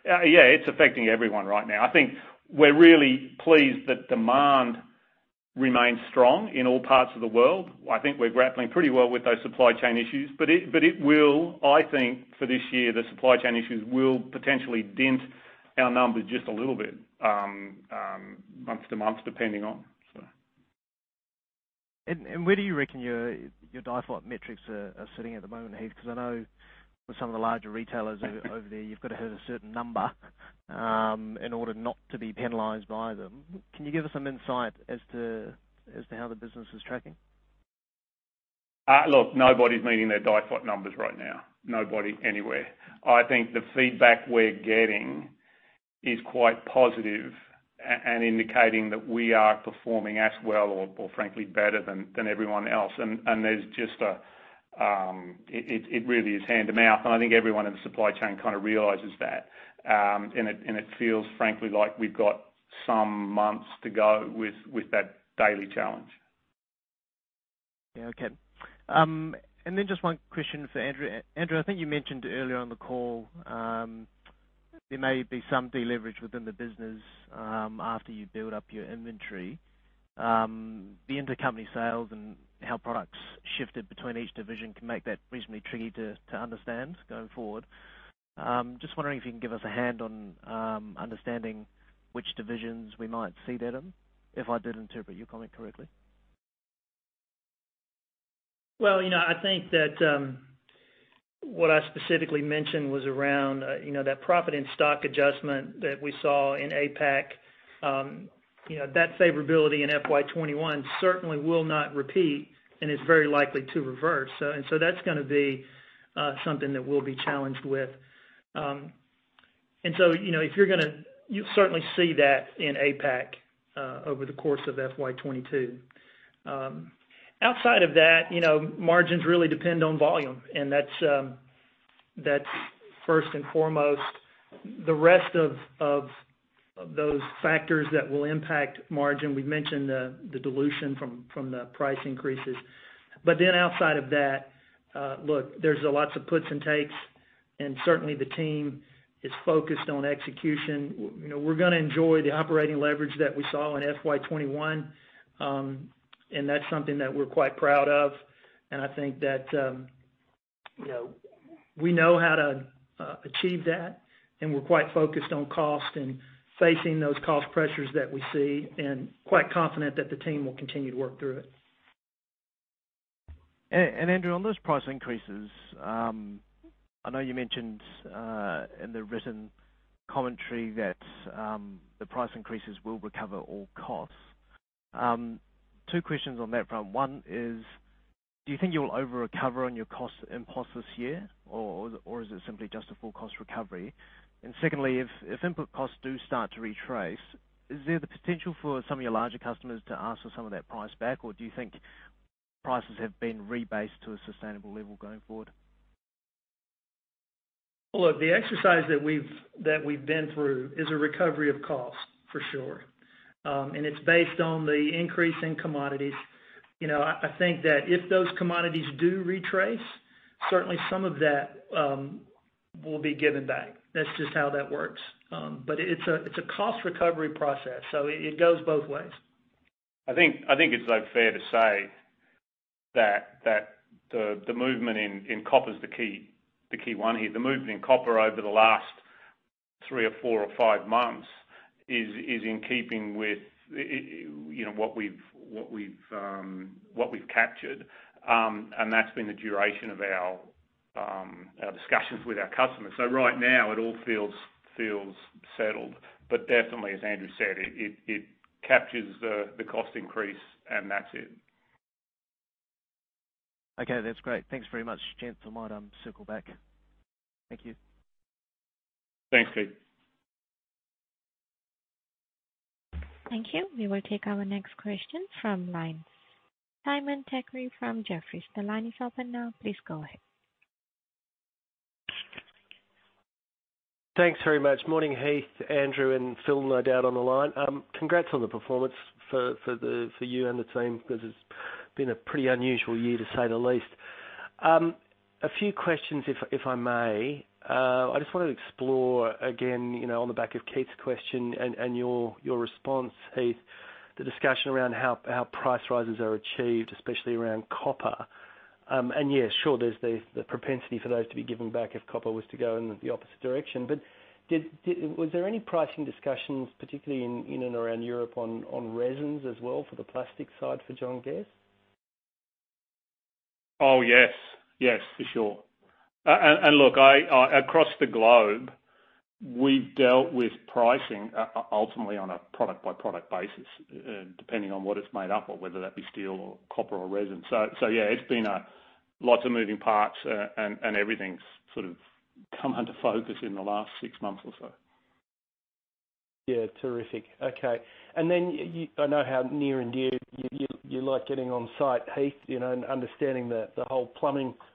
S2: Yeah, it's affecting everyone right now. I think we're really pleased that demand remains strong in all parts of the world. I think we're grappling pretty well with those supply chain issues. It will, I think, for this year, the supply chain issues will potentially dent our numbers just a little bit month to month.
S7: Where do you reckon your DIFOT metrics are sitting at the moment, Heath? Because I know with some of the larger retailers over there, you've got to hit a certain number in order not to be penalized by them. Can you give us some insight as to how the business is tracking?
S2: Look, nobody's meeting their DIFOT numbers right now. Nobody anywhere. I think the feedback we're getting is quite positive and indicating that we are performing as well or frankly better than everyone else. It really is hand-to-mouth, and I think everyone in the supply chain kind of realizes that. It feels frankly like we've got some months to go with that daily challenge.
S7: Yeah, okay. Then just one question for Andrew. Andrew, I think you mentioned earlier on the call, there may be some de-leverage within the business after you build up your inventory. The intercompany sales and how products shifted between each division can make that reasonably tricky to understand going forward. Just wondering if you can give us a hand on understanding which divisions we might see them, if I did interpret your comment correctly.
S3: I think that what I specifically mentioned was around that profit and stock adjustment that we saw in APAC. That favorability in FY 2021 certainly will not repeat and is very likely to reverse. That's going to be something that we'll be challenged with. You'll certainly see that in APAC over the course of FY 2022. Outside of that, margins really depend on volume. That's first and foremost. The rest of those factors that will impact margin, we've mentioned the dilution from the price increases. Outside of that, look, there's lots of puts and takes, and certainly the team is focused on execution. We're going to enjoy the operating leverage that we saw in FY 2021. That's something that we're quite proud of. I think that we know how to achieve that, and we're quite focused on cost and facing those cost pressures that we see and quite confident that the team will continue to work through it.
S7: Andrew, on those price increases, I know you mentioned in the written commentary that the price increases will recover all costs. Two questions on that front. One is, do you think you will over-recover on your cost inputs this year or is it simply just a full cost recovery? Secondly, if input costs do start to retrace, is there the potential for some of your larger customers to ask for some of that price back, or do you think prices have been rebased to a sustainable level going forward?
S3: Look, the exercise that we've been through is a recovery of cost, for sure. It's based on the increase in commodities. I think that if those commodities do retrace, certainly some of that will be given back. That's just how that works. It's a cost recovery process, so it goes both ways.
S2: I think it's fair to say that the movement in copper is the key one here. The movement in copper over the last three or four or five months is in keeping with what we've captured. That's been the duration of our discussions with our customers. Right now, it all feels settled, but definitely, as Andrew said, it captures the cost increase, and that's it.
S7: Okay. That's great. Thanks very much. Gents, I might circle back. Thank you.
S2: Thanks, Keith.
S1: Thank you. We will take our next question from lines. Simon Thackray from Jefferies, the line is open now. Please go ahead.
S8: Thanks very much. Morning, Heath, Andrew, and Phil, no doubt on the line. Congrats on the performance for you and the team because it's been a pretty unusual year, to say the least. A few questions, if I may. I just want to explore again, on the back of Keith's question and your response, Heath, the discussion around how price rises are achieved, especially around copper. Yeah, sure, there's the propensity for those to be given back if copper was to go in the opposite direction. Was there any pricing discussions, particularly in and around Europe on resins as well for the plastic side for John Guest?
S2: Oh, yes. For sure. Look, across the globe, we've dealt with pricing ultimately on a product-by-product basis, depending on what it's made up or whether that be steel or copper or resin. Yeah, it's been lots of moving parts, and everything's sort of come into focus in the last six months or so.
S8: Yeah, terrific. Okay. I know how near and dear you like getting on site, Heath, and understanding the whole plumbing process.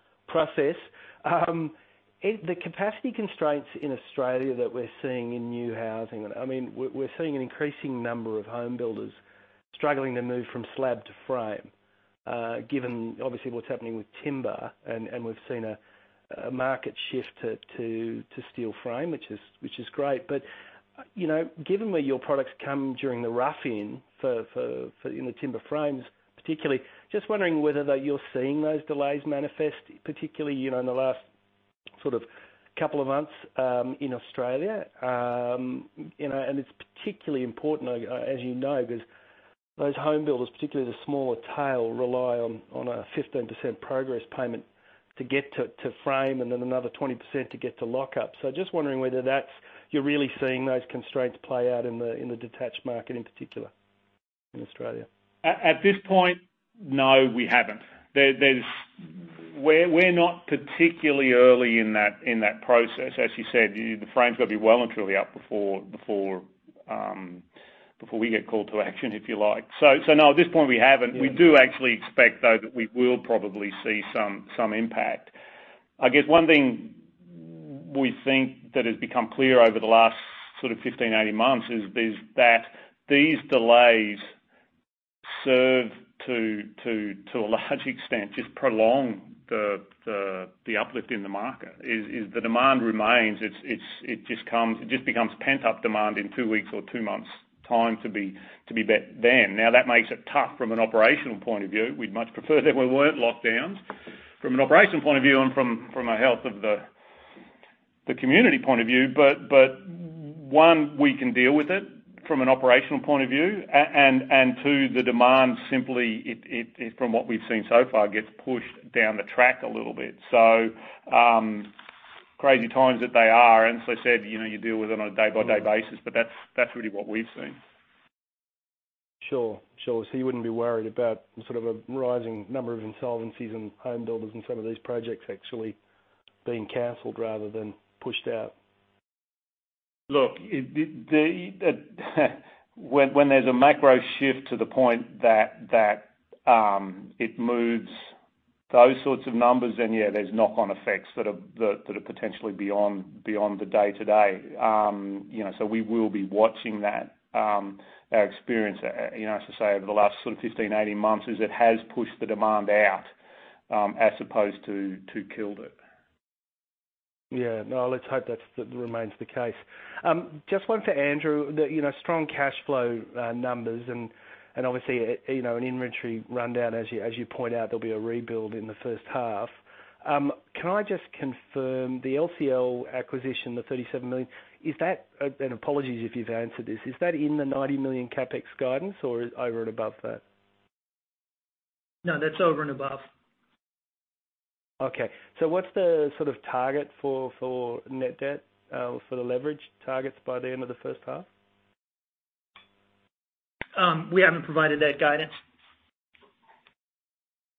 S8: The capacity constraints in Australia that we're seeing in new housing, we're seeing an increasing number of home builders struggling to move from slab to frame, given obviously what's happening with timber, and we've seen a market shift to steel frame, which is great. Given where your products come during the rough-in for in the timber frames particularly, just wondering whether you're seeing those delays manifest, particularly in the last couple of months in Australia. It's particularly important, as you know, because those home builders, particularly the smaller tail, rely on a 15% progress payment to get to frame, and then another 20% to get to lockup. Just wondering whether you're really seeing those constraints play out in the detached market in particular in Australia.
S2: At this point, no, we haven't. We're not particularly early in that process. As you said, the frame's got to be well and truly up before we get called to action, if you like. No, at this point we haven't.
S8: Yeah.
S2: We do actually expect, though, that we will probably see some impact. I guess one thing we think that has become clear over the last 15, 18 months is that these delays serve to a large extent, just prolong the uplift in the market. As the demand remains, it just becomes pent-up demand in two weeks or two months' time to be met then. That makes it tough from an operational point of view. We'd much prefer there weren't lockdowns from an operation point of view and from a health of the community point of view. One, we can deal with it from an operational point of view. Two, the demand simply, from what we've seen so far, gets pushed down the track a little bit. Crazy times that they are, and as I said, you deal with it on a day-by-day basis, but that's really what we've seen.
S8: Sure. You wouldn't be worried about a rising number of insolvencies and home builders in some of these projects actually being canceled rather than pushed out?
S2: Look, when there's a macro shift to the point that it moves those sorts of numbers, then yeah, there's knock-on effects that are potentially beyond the day-to-day. We will be watching that. Our experience, as I say, over the last sort of 15, 18 months, is it has pushed the demand out, as opposed to killed it.
S8: Yeah. No, let's hope that remains the case. Just one for Andrew. The strong cash flow numbers and obviously, an inventory rundown, as you point out, there'll be a rebuild in the first half. Can I just confirm the LCL acquisition, the 37 million. Apologies if you've answered this, is that in the 90 million CapEx guidance or over and above that?
S3: No, that's over and above.
S8: What's the target for net debt for the leverage targets by the end of the first half?
S3: We haven't provided that guidance.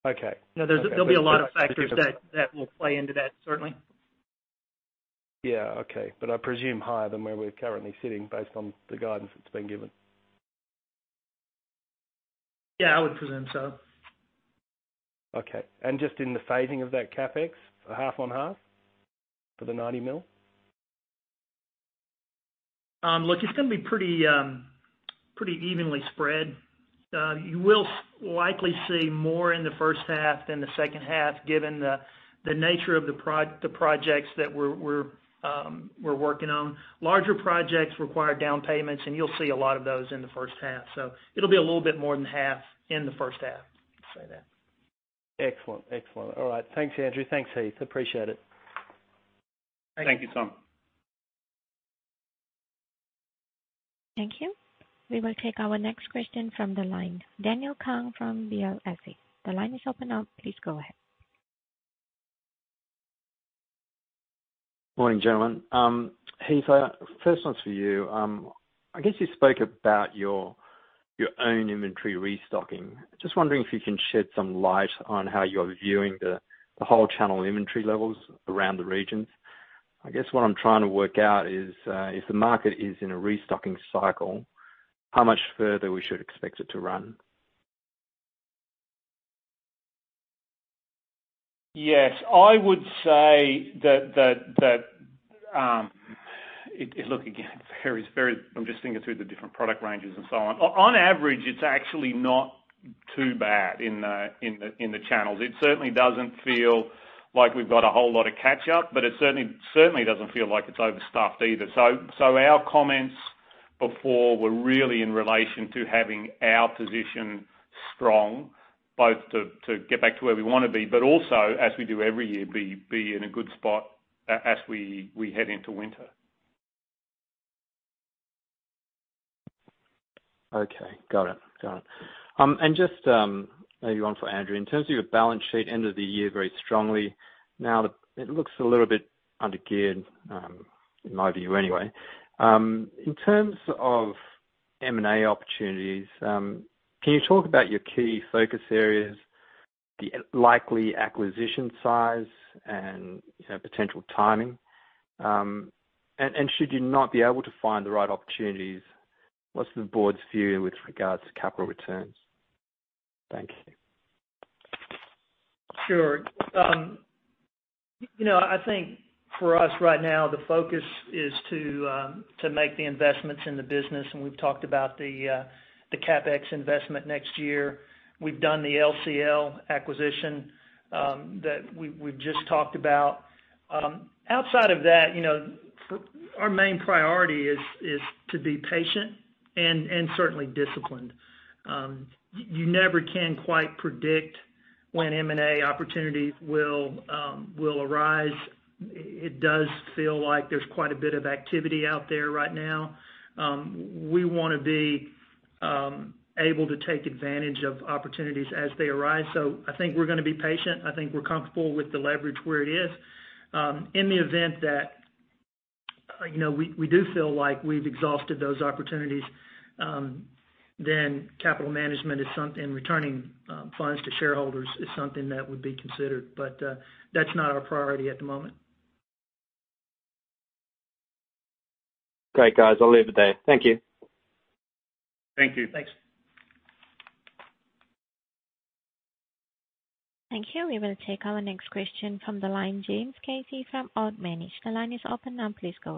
S8: Okay.
S3: No, there'll be a lot of factors that will play into that, certainly.
S8: Yeah. Okay. I presume higher than where we're currently sitting based on the guidance that's been given.
S3: Yeah, I would presume so.
S8: Okay. Just in the phasing of that CapEx, half on half for the 90 mil?
S3: It's going to be pretty evenly spread. You will likely see more in the first half than the second half, given the nature of the projects that we're working on. Larger projects require down payments, you'll see a lot of those in the first half. It'll be a little bit more than half in the first half.
S8: Excellent. All right. Thanks, Andrew. Thanks, Heath. Appreciate it.
S3: Thank you.
S2: Thank you, Simon.
S1: Thank you. We will take our next question from the line. Daniel Kang from CLSA. The line is open now. Please go ahead.
S9: Morning, gentlemen. Heath, first one's for you. I guess you spoke about your own inventory restocking. Just wondering if you can shed some light on how you're viewing the whole channel inventory levels around the regions. I guess what I'm trying to work out is, if the market is in a restocking cycle, how much further we should expect it to run?
S2: Look, again, I'm just thinking through the different product ranges and so on. On average, it's actually not too bad in the channels. It certainly doesn't feel like we've got a whole lot of catch-up, but it certainly doesn't feel like it's overstuffed either. Our comments before were really in relation to having our position strong, both to get back to where we want to be, but also, as we do every year, be in a good spot as we head into winter.
S9: Okay. Got it. Just maybe one for Andrew. In terms of your balance sheet, end of the year very strongly. Now it looks a little bit undergeared, in my view anyway. In terms of M&A opportunities, can you talk about your key focus areas, the likely acquisition size and potential timing? Should you not be able to find the right opportunities, what's the board's view with regards to capital returns? Thank you.
S3: Sure. I think for us right now, the focus is to make the investments in the business. We've talked about the CapEx investment next year. We've done the LCL acquisition that we've just talked about. Outside of that, our main priority is to be patient and certainly disciplined. You never can quite predict when M&A opportunities will arise. It does feel like there's quite a bit of activity out there right now. We want to be able to take advantage of opportunities as they arise. I think we're going to be patient. I think we're comfortable with the leverage where it is. In the event that we do feel like we've exhausted those opportunities, capital management and returning funds to shareholders is something that would be considered. That's not our priority at the moment.
S9: Great, guys. I'll leave it there. Thank you.
S2: Thank you.
S3: Thanks.
S1: Thank you. We will take our next question from the line, James Casey from Ord Minnett. The line is open now. Please go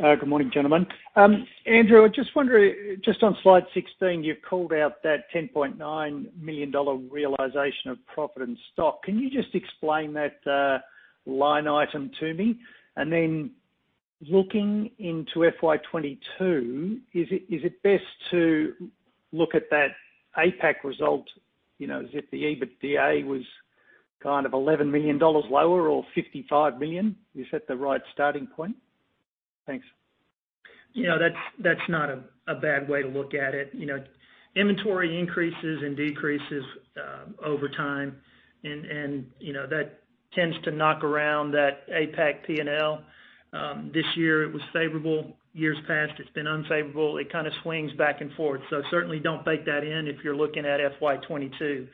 S1: ahead.
S10: Good morning, gentlemen. Andrew, I just wonder, just on slide 16, you've called out that 10.9 million dollar realization of profit and stock. Can you just explain that line item to me? Then looking into FY 2022, is it best to look at that APAC result as if the EBITDA was 11 million dollars lower or 55 million? Is that the right starting point? Thanks.
S3: That's not a bad way to look at it. Inventory increases and decreases over time. That tends to knock around that APAC P&L. This year it was favorable. Years past, it's been unfavorable. It kind of swings back and forth. Certainly don't bake that in if you're looking at FY 2022.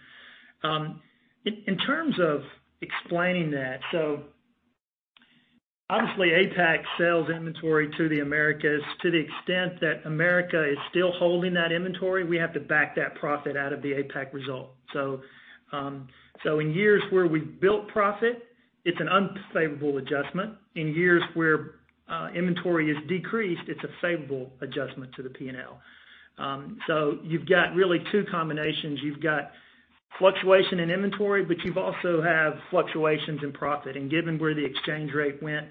S3: In terms of explaining that, obviously APAC sells inventory to the Americas. To the extent that Americas is still holding that inventory, we have to back that profit out of the APAC result. In years where we've built profit, it's an unfavorable adjustment. In years where inventory is decreased, it's a favorable adjustment to the P&L. You've got really two combinations. You've got fluctuation in inventory. You also have fluctuations in profit. Given where the exchange rate went,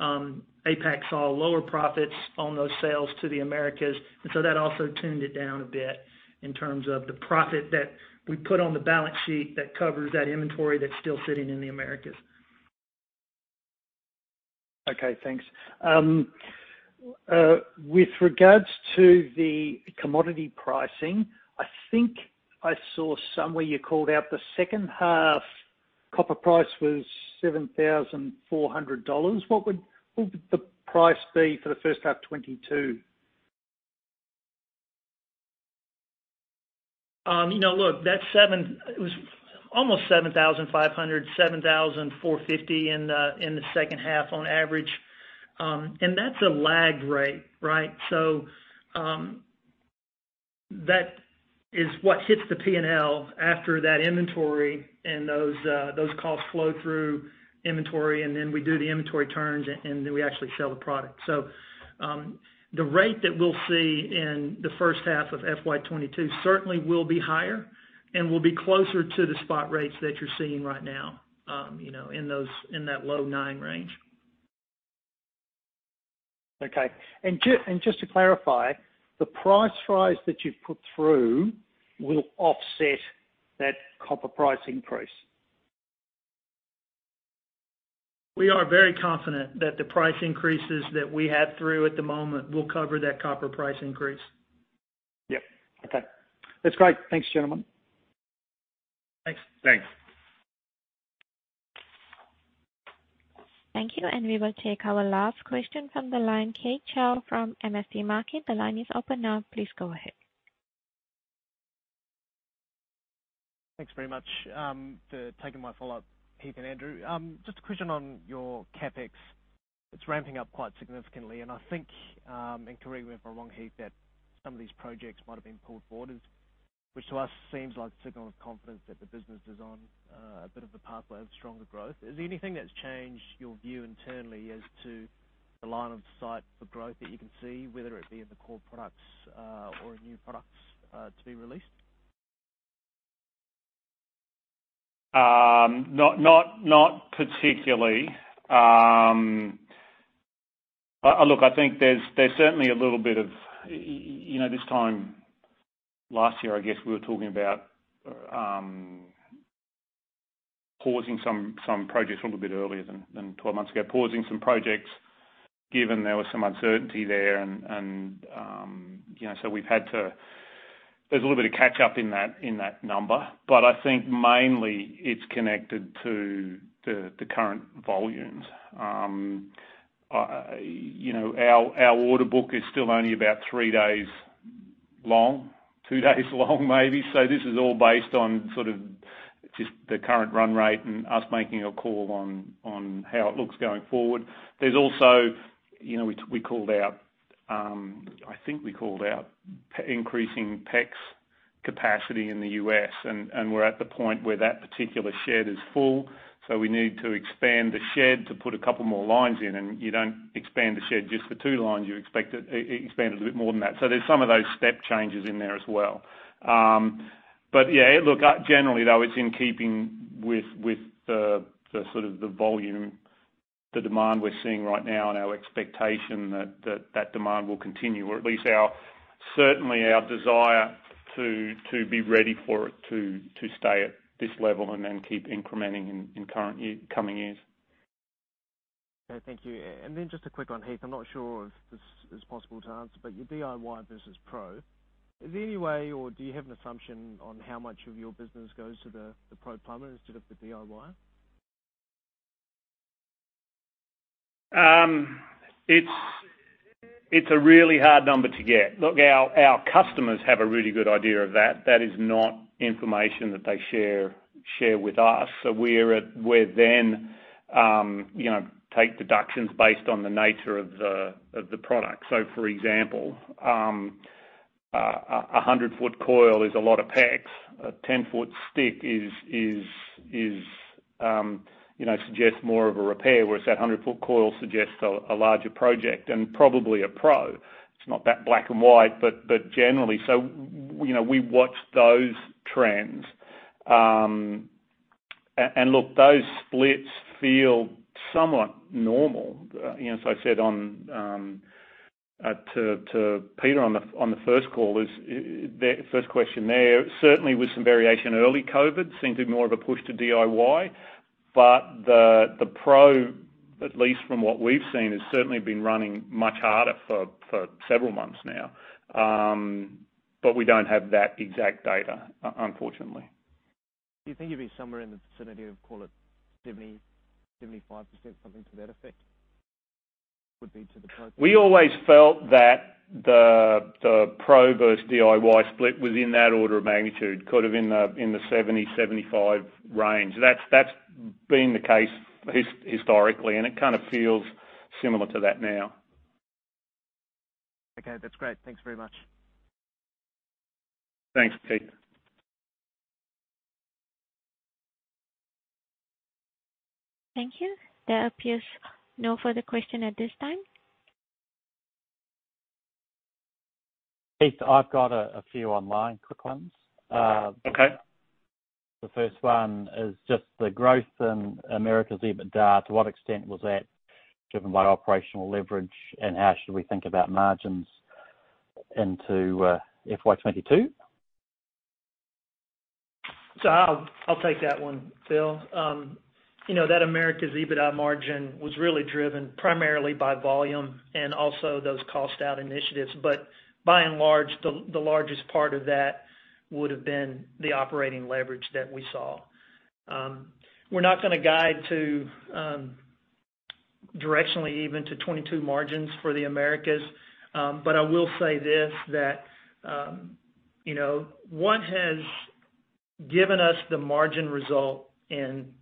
S3: APAC saw lower profits on those sales to the Americas. That also tuned it down a bit in terms of the profit that we put on the balance sheet that covers that inventory that's still sitting in the Americas.
S10: Okay, thanks. With regards to the commodity pricing, I think I saw somewhere you called out the second half copper price was 7,400 dollars. What would the price be for the first half 2022?
S3: Look, that's almost 7,500, 7,450 in the second half on average. That's a lagged rate, right? That is what hits the P&L after that inventory and those costs flow through inventory, and then we do the inventory turns, and then we actually sell the product. The rate that we'll see in the first half of FY 2022 certainly will be higher and will be closer to the spot rates that you're seeing right now in that low nine range.
S10: Okay. Just to clarify, the price rise that you've put through will offset that copper price increase.
S3: We are very confident that the price increases that we have through at the moment will cover that copper price increase.
S10: Yep. Okay. That's great. Thanks, gentlemen.
S3: Thanks.
S2: Thanks.
S1: Thank you. We will take our last question from the line, Keith Chau from MST Marquee. The line is open now. Please go ahead.
S7: Thanks very much for taking my follow-up, Heath and Andrew. Just a question on your CapEx. It's ramping up quite significantly, and I think, and correct me if I'm wrong, Heath, that some of these projects might have been pulled forward, which to us seems like a signal of confidence that the business is on a bit of a pathway of stronger growth. Is there anything that's changed your view internally as to the line of sight for growth that you can see, whether it be in the core products or in new products to be released?
S2: Not particularly. Look, I think there's certainly a little bit of this time last year, I guess we were talking about pausing some projects a little bit earlier than 12 months ago. Pausing some projects, given there was some uncertainty there. There's a little bit of catch up in that number. I think mainly it's connected to the current volumes. Our order book is still only about three days long, two days long maybe. This is all based on sort of just the current run rate and us making a call on how it looks going forward. There's also, I think we called out increasing PEX capacity in the U.S., and we're at the point where that particular shed is full. We need to expand the shed to put a couple more lines in, and you don't expand the shed just for two lines You expect it expanded a bit more than that. There's some of those step changes in there as well. Yeah, look, generally though, it's in keeping with the sort of the volume, the demand we're seeing right now and our expectation that demand will continue, or at least certainly our desire to be ready for it to stay at this level and then keep incrementing in coming years.
S7: Okay. Thank you. Just a quick one, Heath. I'm not sure if this is possible to answer, your DIY versus pro. Is there any way or do you have an assumption on how much of your business goes to the pro plumber instead of the DIY?
S2: It's a really hard number to get. Look, our customers have a really good idea of that. That is not information that they share with us. We then take deductions based on the nature of the product. For example, a 100-ft coil is a lot of PEX. A 10-ft stick suggests more of a repair. Whereas that 100-ft coil suggests a larger project and probably a pro. It's not that black and white, but generally. We watch those trends. Look, those splits feel somewhat normal. As I said to Peter on the first call, the first question there, certainly with some variation early COVID seemed to be more of a push to DIY, but the pro, at least from what we've seen, has certainly been running much harder for several months now. We don't have that exact data, unfortunately.
S7: Do you think it'd be somewhere in the vicinity of, call it 70%, 75%, something to that effect?
S2: We always felt that the pro versus DIY split was in that order of magnitude. Could have been in the 70%, 75% range. That's been the case historically, and it kind of feels similar to that now.
S7: Okay. That's great. Thanks very much.
S2: Thanks, Keith.
S1: Thank you. There appears no further question at this time.
S11: Heath, I've got a few online quick ones.
S2: Okay.
S11: The first one is just the growth in America's EBITDA. To what extent was that driven by operational leverage, and how should we think about margins into FY 2022?
S3: I'll take that one, Phil. That Americas EBITDA margin was really driven primarily by volume and also those cost-out initiatives. By and large, the largest part of that would've been the operating leverage that we saw. We're not gonna guide to directionally even to FY 2022 margins for the Americas. I will say this, that what has given us the margin result in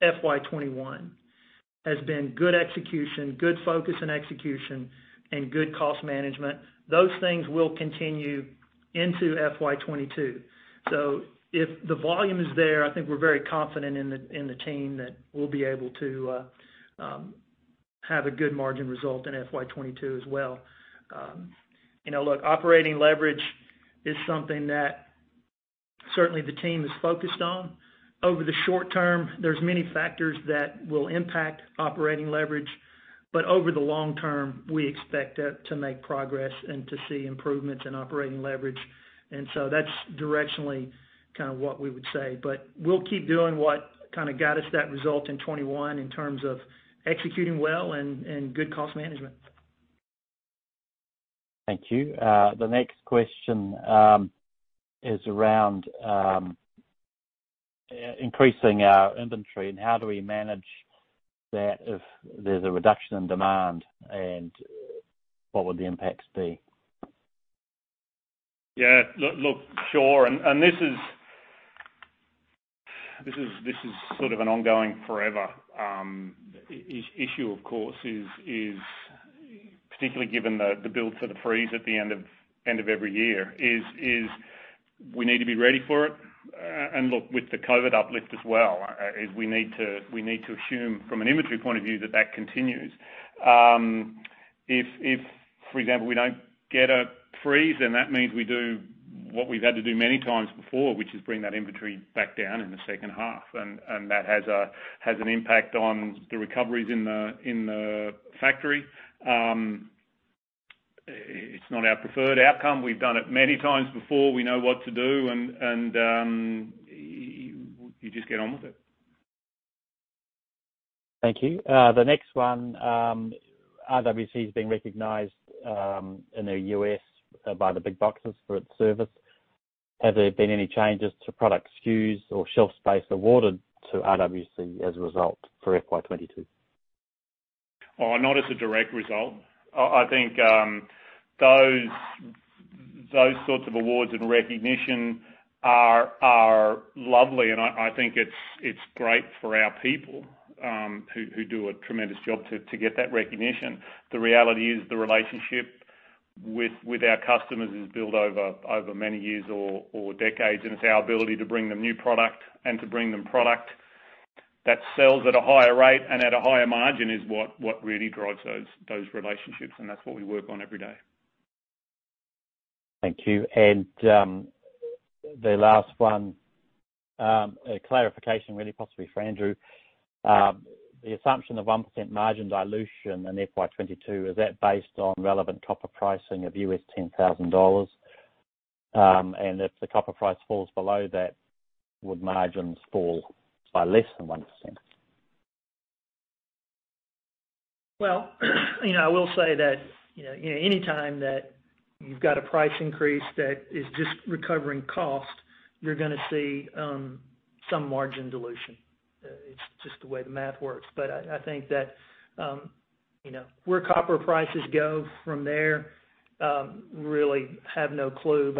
S3: FY 2021 has been good execution, good focus and execution, and good cost management. Those things will continue into FY 2022. If the volume is there, I think we're very confident in the team that we'll be able to have a good margin result in FY 2022 as well. Look, operating leverage is something that certainly the team is focused on. Over the short term, there's many factors that will impact operating leverage, but over the long term, we expect that to make progress and to see improvements in operating leverage. That's directionally kind of what we would say. We'll keep doing what got us that result in 2021 in terms of executing well and good cost management.
S11: Thank you. The next question is around increasing our inventory and how do we manage that if there's a reduction in demand, and what would the impacts be?
S2: Yeah. Look, sure. This is sort of an ongoing forever issue, of course, is particularly given the build for the freeze at the end of every year is we need to be ready for it. Look, with the COVID uplift as well, is we need to assume from an inventory point of view that that continues. If, for example, we don't get a freeze, then that means we do what we've had to do many times before, which is bring that inventory back down in the second half. That has an impact on the recoveries in the factory. It's not our preferred outcome. We've done it many times before. We know what to do, and you just get on with it.
S11: Thank you. The next one, RWC has been recognized in the U.S. by the big boxes for its service. Has there been any changes to product SKUs or shelf space awarded to RWC as a result for FY 2022?
S2: Oh, not as a direct result. I think those sorts of awards and recognition are lovely, and I think it's great for our people who do a tremendous job to get that recognition. The reality is the relationship with our customers is built over many years or decades, and it's our ability to bring them new product and to bring them product that sells at a higher rate and at a higher margin is what really drives those relationships, and that's what we work on every day.
S11: Thank you. The last one, a clarification really, possibly for Andrew. The assumption of 1% margin dilution in FY 2022, is that based on relevant copper pricing of $10,000? If the copper price falls below that, would margins fall by less than 1%?
S3: I will say that anytime that you've got a price increase that is just recovering cost, you're going to see some margin dilution. It's just the way the math works. I think that where copper prices go from there, really have no clue.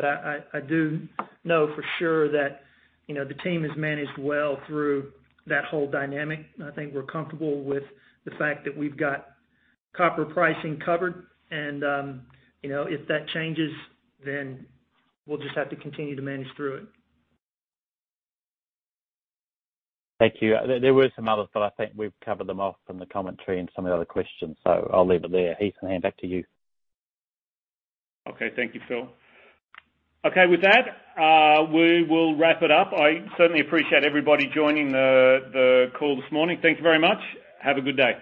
S3: I do know for sure that the team has managed well through that whole dynamic. I think we're comfortable with the fact that we've got copper pricing covered. If that changes, then we'll just have to continue to manage through it.
S11: Thank you. There were some others, but I think we've covered them off from the commentary and some of the other questions, so I'll leave it there. Heath, back to you.
S2: Okay. Thank you, Phil. Okay. With that, we will wrap it up. I certainly appreciate everybody joining the call this morning. Thank you very much. Have a good day.